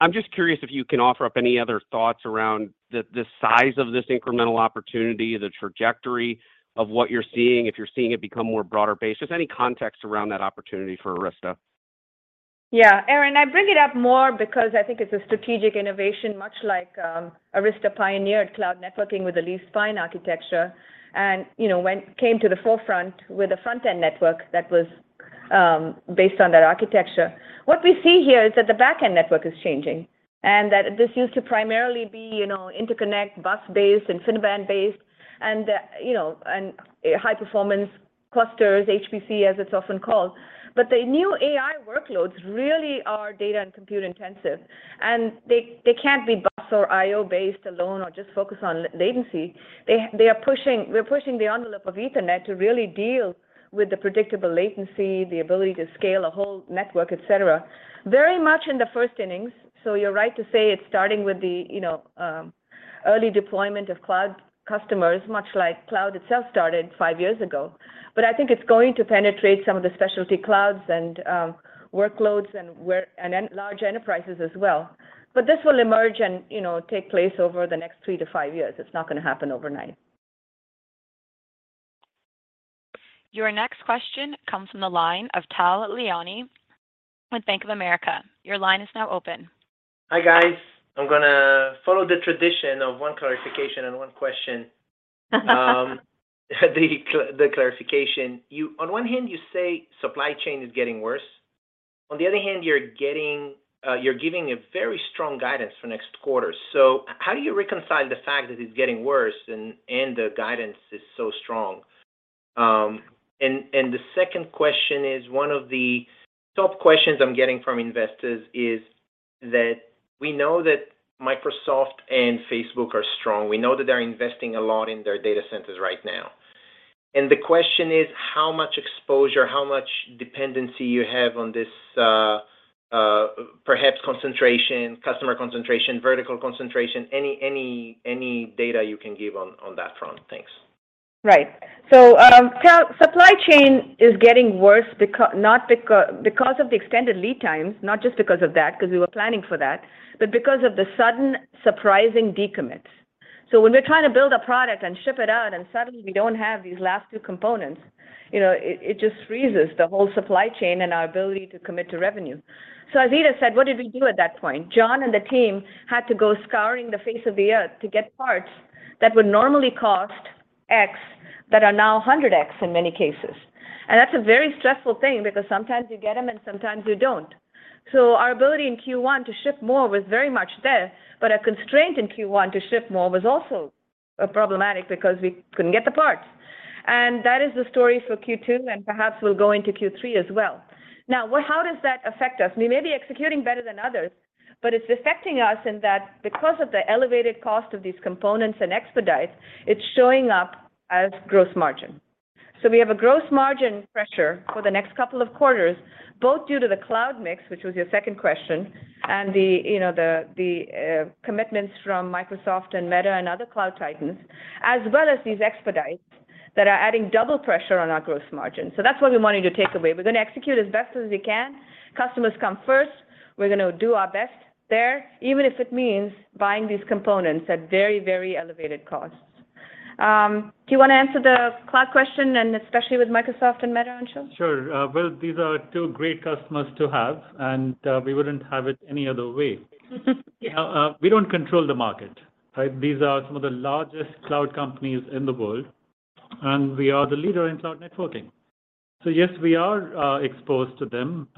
I'm just curious if you can offer up any other thoughts around the size of this incremental opportunity, the trajectory of what you're seeing, if you're seeing it become more broad-based. Just any context around that opportunity for Arista. Yeah. Aaron, I bring it up more because I think it's a strategic innovation, much like Arista pioneered cloud networking with the Leaf-Spine architecture. You know, when it came to the forefront with a front-end network that was cloud-based on that architecture. What we see here is that the back-end network is changing, and that this used to primarily be, you know, interconnect bus-based, InfiniBand-based, and high-performance clusters, HPC as it's often called. The new AI workloads really are data and compute intensive, and they can't be bus or I/O based alone or just focus on latency. They are pushing the envelope of Ethernet to really deal with the predictable latency, the ability to scale a whole network, et cetera, very much in the first innings. You're right to say it's starting with the, you know, early deployment of cloud customers, much like cloud itself started 5 years ago. I think it's going to penetrate some of the specialty clouds and workloads and in large enterprises as well. This will emerge and, you know, take place over the next 3-5 years. It's not gonna happen overnight. Your next question comes from the line of Tal Liani with Bank of America. Your line is now open. Hi guys. I'm gonna follow the tradition of one clarification and one question. The clarification. On one hand you say supply chain is getting worse. On the other hand, you're giving a very strong guidance for next quarter. How do you reconcile the fact that it's getting worse and the guidance is so strong? The second question is, one of the top questions I'm getting from investors is that we know that Microsoft and Facebook are strong. We know that they're investing a lot in their data centers right now. The question is, how much exposure, how much dependency you have on this, perhaps concentration, customer concentration, vertical concentration? Any data you can give on that front. Thanks. Right. Tal Liani, supply chain is getting worse because of the extended lead times, not just because of that, 'cause we were planning for that, but because of the sudden surprising decommit. When we're trying to build a product and ship it out and suddenly we don't have these last two components, you know, it just freezes the whole supply chain and our ability to commit to revenue. As Ita Brennan said, what did we do at that point? John McCool and the team had to go scouring the face of the earth to get parts that would normally cost X that are now 100X in many cases. That's a very stressful thing because sometimes you get them and sometimes you don't. Our ability in Q1 to ship more was very much there, but a constraint in Q1 to ship more was also problematic because we couldn't get the parts. That is the story for Q2, and perhaps we'll go into Q3 as well. Now, how does that affect us? We may be executing better than others, but it's affecting us in that because of the elevated cost of these components and expedites, it's showing up as gross margin. We have a gross margin pressure for the next couple of quarters, both due to the cloud mix, which was your second question, and the commitments from Microsoft and Meta and other Cloud Titans, as well as these expedites that are adding double pressure on our gross margin. That's what we want you to take away. We're gonna execute as best as we can. Customers come first. We're gonna do our best there, even if it means buying these components at very, very elevated costs. Do you wanna answer the cloud question, and especially with Microsoft and Meta, Anshul? Sure. Well, these are two great customers to have, and we wouldn't have it any other way. You know, we don't control the market, right? These are some of the largest cloud companies in the world, and we are the leader in cloud networking. Yes, we are exposed to them.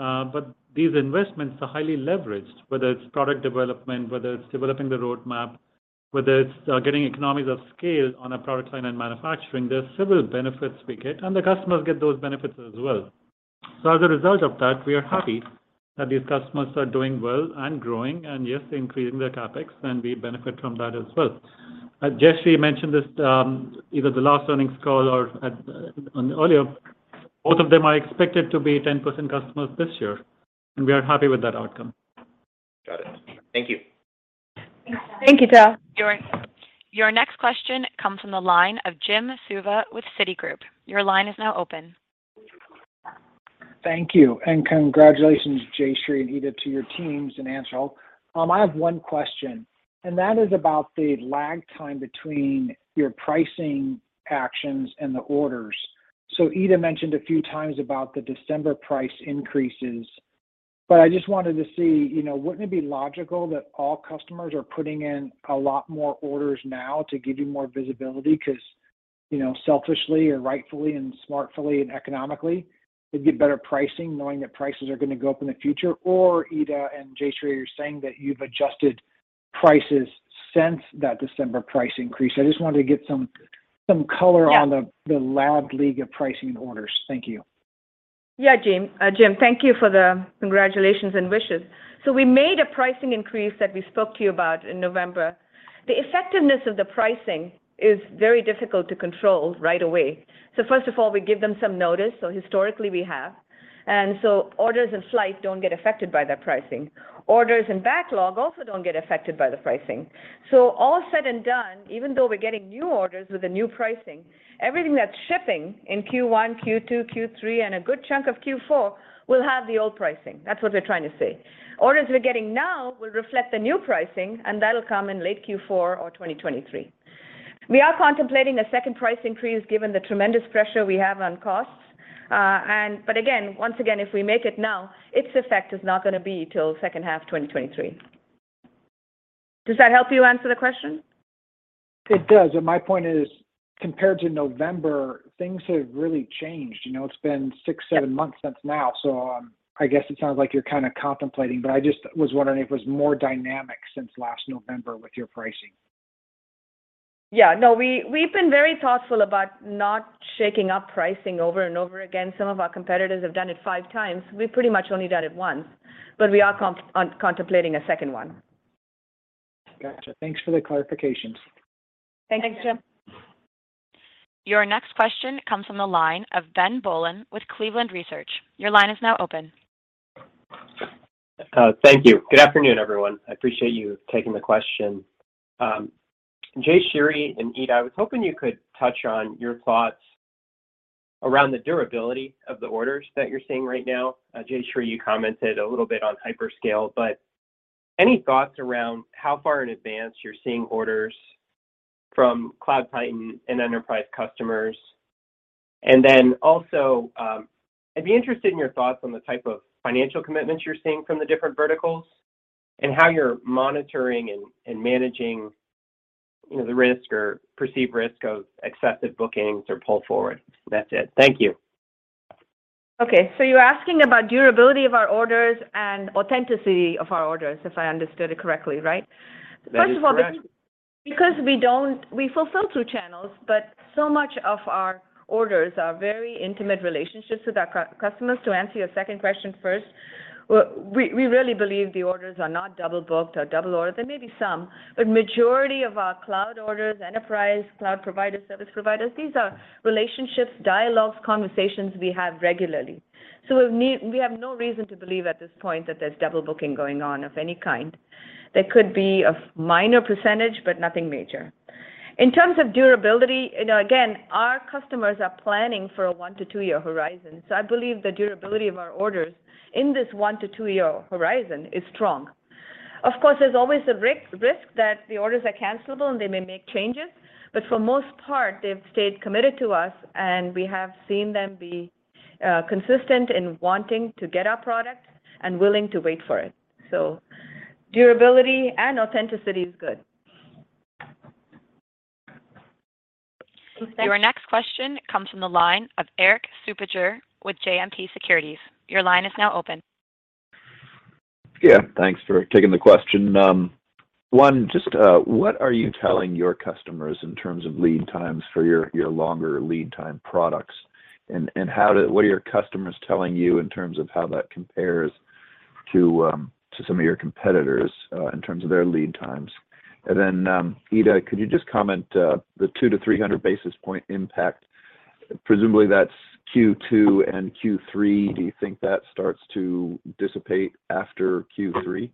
These investments are highly leveraged, whether it's product development, whether it's developing the roadmap, whether it's getting economies of scale on a product line and manufacturing. There are several benefits we get, and the customers get those benefits as well. As a result of that, we are happy that these customers are doing well and growing and yes, increasing their CapEx, and we benefit from that as well. Jayshree mentioned this, either the last earnings call or at, on earlier. Both of them are expected to be 10% customers this year, and we are happy with that outcome. Got it. Thank you. Thanks, Tal. Thank you, Tal. Your next question comes from the line of Jim Suva with Citigroup. Your line is now open. Thank you, and congratulations, Jayshree and Ita, to your teams and Anshul. I have one question, and that is about the lag time between your pricing actions and the orders. Ida mentioned a few times about the December price increases, but I just wanted to see, you know, wouldn't it be logical that all customers are putting in a lot more orders now to give you more visibility? 'Cause, you know, selfishly or rightfully and smartly and economically, they'd get better pricing knowing that prices are gonna go up in the future. Or Ita and Jayshree, you're saying that you've adjusted prices since that December price increase. I just wanted to get some color on the Yeah the backlog of purchase orders. Thank you. Yeah, Jim. Jim, thank you for the congratulations and wishes. We made a pricing increase that we spoke to you about in November. The effectiveness of the pricing is very difficult to control right away. First of all, we give them some notice, so historically we have. Orders in flight don't get affected by that pricing. Orders in backlog also don't get affected by the pricing. All said and done, even though we're getting new orders with the new pricing, everything that's shipping in Q1, Q2, Q3, and a good chunk of Q4 will have the old pricing. That's what we're trying to say. Orders we're getting now will reflect the new pricing, and that'll come in late Q4 or 2023. We are contemplating a second price increase given the tremendous pressure we have on costs. If we make it now, its effect is not gonna be till H2 2023. Does that help you answer the question? It does. My point is, compared to November, things have really changed. You know, it's been six, seven months since then, so, I guess it sounds like you're kinda contemplating, but I just was wondering if it was more dynamic since last November with your pricing. Yeah, no. We've been very thoughtful about not shaking up pricing over and over again. Some of our competitors have done it five times. We've pretty much only done it once, but we are contemplating a second one. Gotcha. Thanks for the clarifications. Thanks, Jim. Your next question comes from the line of Ben Bollin with Cleveland Research. Your line is now open. Thank you. Good afternoon, everyone. I appreciate you taking the question. Jayshree Ullal and Ita Brennan, I was hoping you could touch on your thoughts around the durability of the orders that you're seeing right now. Jayshree Ullal, you commented a little bit on hyperscale, but any thoughts around how far in advance you're seeing orders from Cloud Titan and enterprise customers? Then also, I'd be interested in your thoughts on the type of financial commitments you're seeing from the different verticals and how you're monitoring and managing, you know, the risk or perceived risk of excessive bookings or pull forward. That's it. Thank you. Okay. You're asking about durability of our orders and authenticity of our orders, if I understood it correctly, right? That is correct. First of all, we fulfill through channels, but so much of our orders are very intimate relationships with our customers, to answer your second question first. We really believe the orders are not double-booked or double orders. There may be some, but majority of our cloud orders, enterprise cloud provider, service providers, these are relationships, dialogues, conversations we have regularly. We have no reason to believe at this point that there's double booking going on of any kind. There could be a minor percentage, but nothing major. In terms of durability, you know, again, our customers are planning for a one-two-year horizon. I believe the durability of our orders in this one-two-year horizon is strong. Of course, there's always a risk that the orders are cancelable, and they may make changes, but for most part, they've stayed committed to us, and we have seen them be consistent in wanting to get our products and willing to wait for it. Durability and authenticity is good. Your next question comes from the line of Erik Suppiger with JMP Securities. Your line is now open. Yeah. Thanks for taking the question. One, just, what are you telling your customers in terms of lead times for your longer lead time products? What are your customers telling you in terms of how that compares to some of your competitors in terms of their lead times? Ita, could you just comment on the 200-300 basis points impact? Presumably, that's Q2 and Q3. Do you think that starts to dissipate after Q3?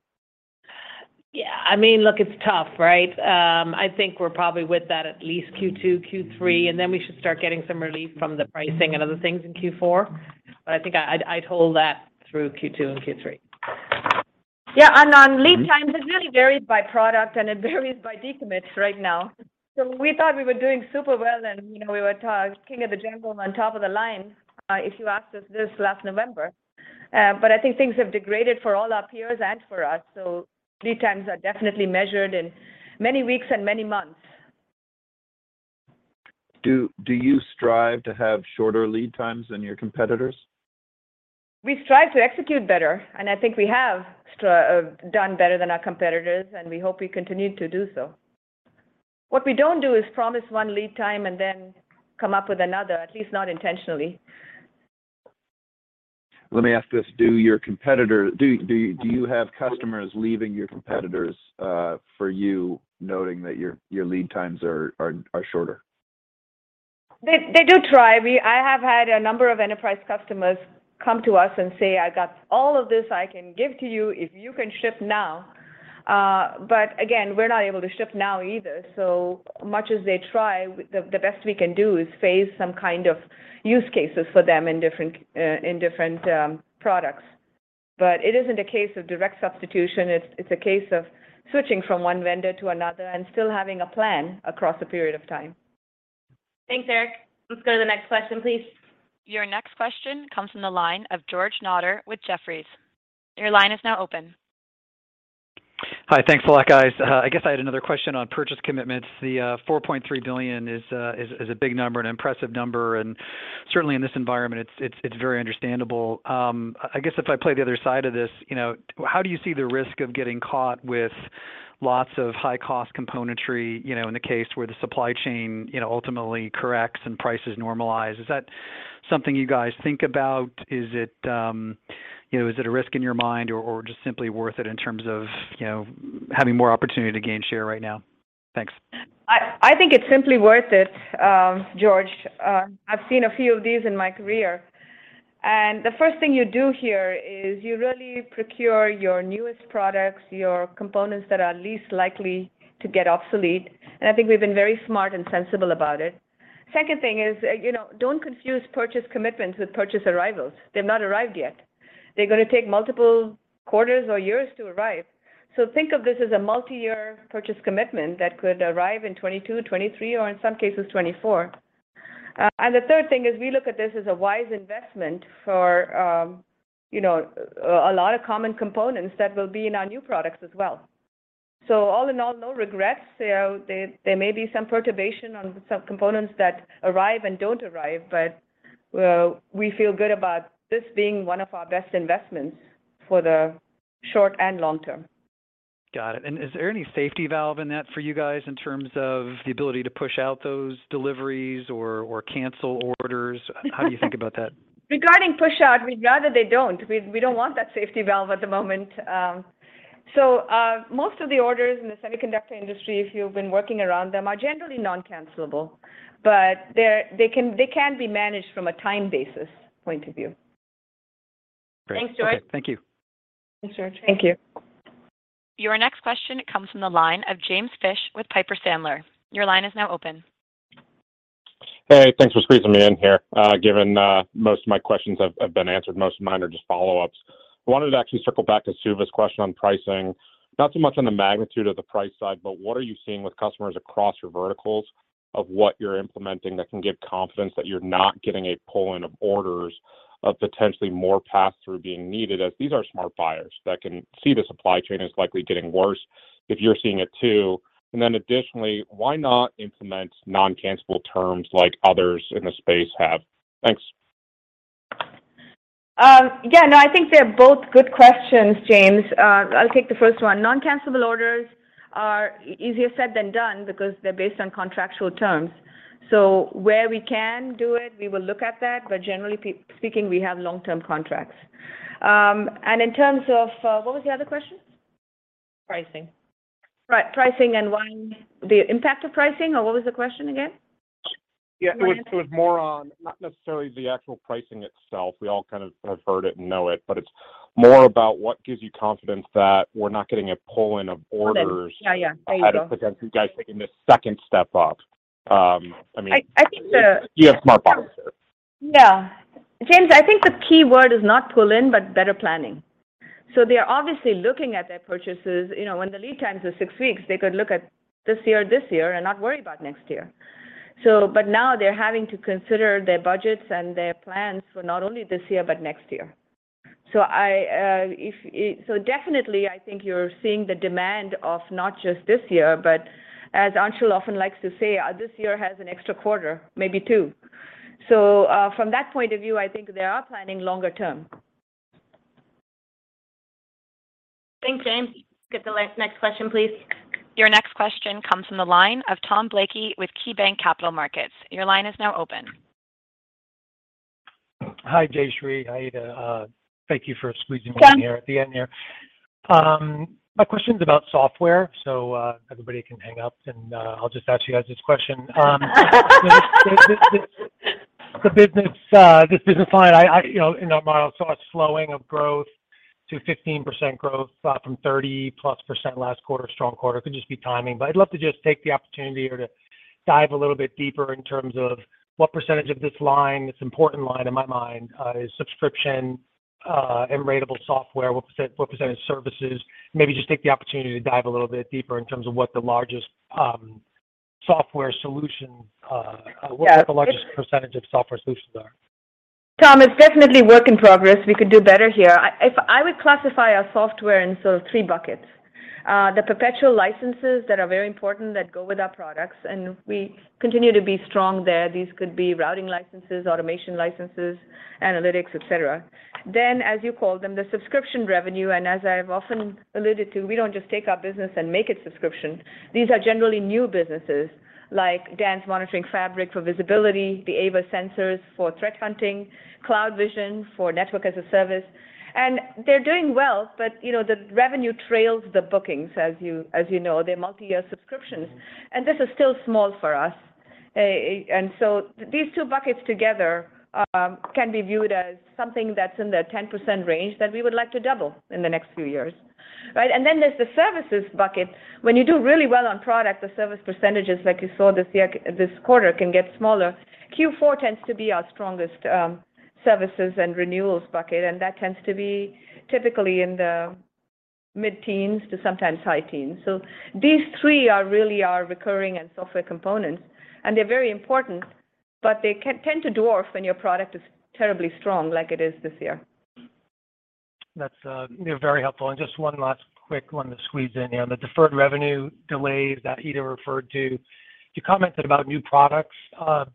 Yeah. I mean, look, it's tough, right? I think we're probably with that at least Q2, Q3, and then we should start getting some relief from the pricing and other things in Q4. I think I'd hold that through Q2 and Q3. Yeah. On lead times, it really varies by product, and it varies by decommit right now. We thought we were doing super well and, you know, we were king of the jungle on top of the line, if you asked us this last November. I think things have degraded for all our peers and for us. Lead times are definitely measured in many weeks and many months. Do you strive to have shorter lead times than your competitors? We strive to execute better, and I think we have done better than our competitors, and we hope we continue to do so. What we don't do is promise one lead time and then come up with another, at least not intentionally. Let me ask this. Do you have customers leaving your competitors for you noting that your lead times are shorter? They do try. I have had a number of enterprise customers come to us and say, "I got all of this I can give to you if you can ship now." But again, we're not able to ship now either. Much as they try, the best we can do is phase some kind of use cases for them in different products. It isn't a case of direct substitution. It's a case of switching from one vendor to another and still having a plan across a period of time. Thanks, Erik. Let's go to the next question, please. Your next question comes from the line of George Notter with Jefferies. Your line is now open. Hi. Thanks a lot, guys. I guess I had another question on purchase commitments. The $4.3 billion is a big number, an impressive number, and certainly in this environment, it's very understandable. I guess if I play the other side of this, you know, how do you see the risk of getting caught with lots of high cost componentry, you know, in the case where the supply chain, you know, ultimately corrects and prices normalize? Is that something you guys think about? Is it, you know, is it a risk in your mind or just simply worth it in terms of, you know, having more opportunity to gain share right now? Thanks. I think it's simply worth it, George. I've seen a few of these in my career. The first thing you do here is you really procure your newest products, your components that are least likely to get obsolete, and I think we've been very smart and sensible about it. Second thing is, you know, don't confuse purchase commitments with purchase arrivals. They've not arrived yet. They're gonna take multiple quarters or years to arrive. Think of this as a multi-year purchase commitment that could arrive in 2022, 2023, or in some cases, 2024. The third thing is we look at this as a wise investment for, you know, a lot of common components that will be in our new products as well. All in all, no regrets. There may be some perturbation on some components that arrive and don't arrive, but we feel good about this being one of our best investments for the short and long term. Got it. Is there any safety valve in that for you guys in terms of the ability to push out those deliveries or cancel orders? How do you think about that? Regarding push-out, we'd rather they don't. We don't want that safety valve at the moment. Most of the orders in the semiconductor industry, if you've been working around them, are generally non-cancellable. They can be managed from a time basis point of view. Great. Thanks, George. Okay. Thank you. Thanks, George. Thank you. Your next question comes from the line of James Fish with Piper Sandler. Your line is now open. Hey, thanks for squeezing me in here. Given most of my questions have been answered, most of mine are just follow-ups. I wanted to actually circle back to Suva's question on pricing, not so much on the magnitude of the price side, but what are you seeing with customers across your verticals of what you're implementing that can give confidence that you're not getting a pull-in of orders of potentially more pass-through being needed, as these are smart buyers that can see the supply chain is likely getting worse, if you're seeing it too. Additionally, why not implement noncancelable terms like others in the space have? Thanks. Yeah, no, I think they're both good questions, James. I'll take the first one. Non-cancellable orders are easier said than done because they're based on contractual terms. Where we can do it, we will look at that, but generally speaking, we have long-term contracts. In terms of what was the other question? Pricing. Right. The impact of pricing or what was the question again? Yeah. Go ahead. It was more on not necessarily the actual pricing itself. We all kind of have heard it and know it, but it's more about what gives you confidence that we're not getting a pull-in of orders. Pull-in. Yeah, yeah. There you go ahead of potentially you guys taking this second step up. I mean I think You have smart buyers there. Yeah. James, I think the key word is not pull in, but better planning. They are obviously looking at their purchases. You know, when the lead times are six weeks, they could look at this year and this year and not worry about next year. But now they're having to consider their budgets and their plans for not only this year, but next year. Definitely I think you're seeing the demand of not just this year, but as Anshul often likes to say, this year has an extra quarter, maybe two. From that point of view, I think they are planning longer term. Thanks, James. Get the next question, please. Your next question comes from the line of Tom Blakey with KeyBanc Capital Markets. Your line is now open. Hi, Jayshree, Ita. Thank you for squeezing me in here. Yeah. At the end here. My questions about software, so everybody can hang up and I'll just ask you guys this question. The business this business line, I you know in our model saw a slowing of growth to 15% growth from 30%+ last quarter, strong quarter. Could just be timing, but I'd love to just take the opportunity here to dive a little bit deeper in terms of what percentage of this line, this important line in my mind is subscription and ratable software, what percent, what percentage services. Maybe just take the opportunity to dive a little bit deeper in terms of what the largest software solution. Yeah. What the largest percentage of software solutions are. Tom, it's definitely work in progress. We could do better here. If I would classify our software in sort of three buckets. The perpetual licenses that are very important that go with our products, and we continue to be strong there. These could be routing licenses, automation licenses, analytics, et cetera. Then, as you called them, the subscription revenue, and as I've often alluded to, we don't just take our business and make it subscription. These are generally new businesses like DANZ Monitoring Fabric for visibility, the AVA sensors for threat hunting, CloudVision for network as a service. They're doing well, but you know, the revenue trails the bookings, as you know. They're multi-year subscriptions. This is still small for us. These two buckets together can be viewed as something that's in the 10% range that we would like to double in the next few years, right? Then there's the services bucket. When you do really well on product, the service percentages, like you saw this quarter, can get smaller. Q4 tends to be our strongest services and renewals bucket, and that tends to be typically in the mid-teens to sometimes high teens. These three are really our recurring and software components, and they're very important, but they tend to dwarf when your product is terribly strong like it is this year. That's, you know, very helpful. Just one last quick one to squeeze in here. On the deferred revenue delays that Ita referred to, you commented about new products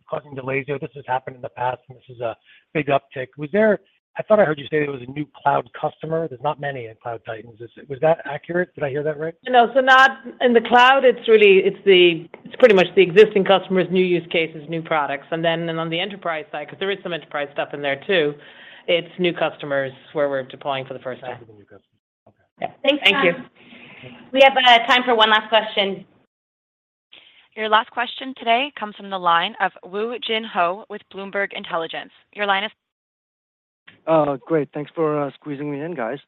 causing delays here. This has happened in the past, and this is a big uptick. I thought I heard you say it was a new cloud customer. There's not many Cloud Titans. Was that accurate? Did I hear that right? In the cloud, it's really pretty much the existing customers, new use cases, new products. On the enterprise side, 'cause there is some enterprise stuff in there too, it's new customers where we're deploying for the first time. Got it, the new customers. Okay. Yeah. Thanks, Tom. Thank you. Okay. We have time for one last question. Your last question today comes from the line of Woo Jin Ho with Bloomberg Intelligence. Your line is- Great. Thanks for squeezing me in, guys.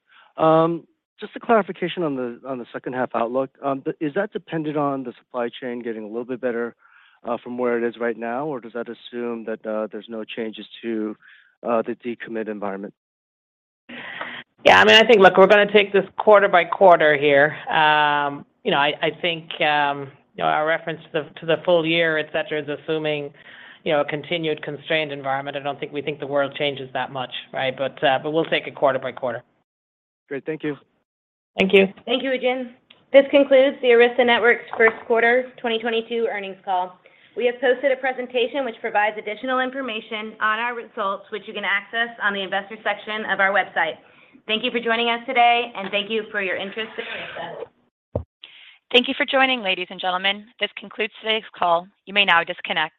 Just a clarification on the H2 outlook. Is that dependent on the supply chain getting a little bit better from where it is right now, or does that assume that there's no changes to the decommit environment? Yeah, I mean, I think, look, we're gonna take this quarter-by-quarter here. You know, I think you know, our reference to the full year, et cetera, is assuming you know, a continued constrained environment. I don't think we think the world changes that much, right? We'll take it quarter-by-quarter. Great. Thank you. Thank you. Thank you, Woo Jin Ho. This concludes the Arista Networks first quarter 2022 earnings call. We have posted a presentation which provides additional information on our results, which you can access on the investor section of our website. Thank you for joining us today, and thank you for your interest in Arista. Thank you for joining, ladies and gentlemen. This concludes today's call. You may now disconnect.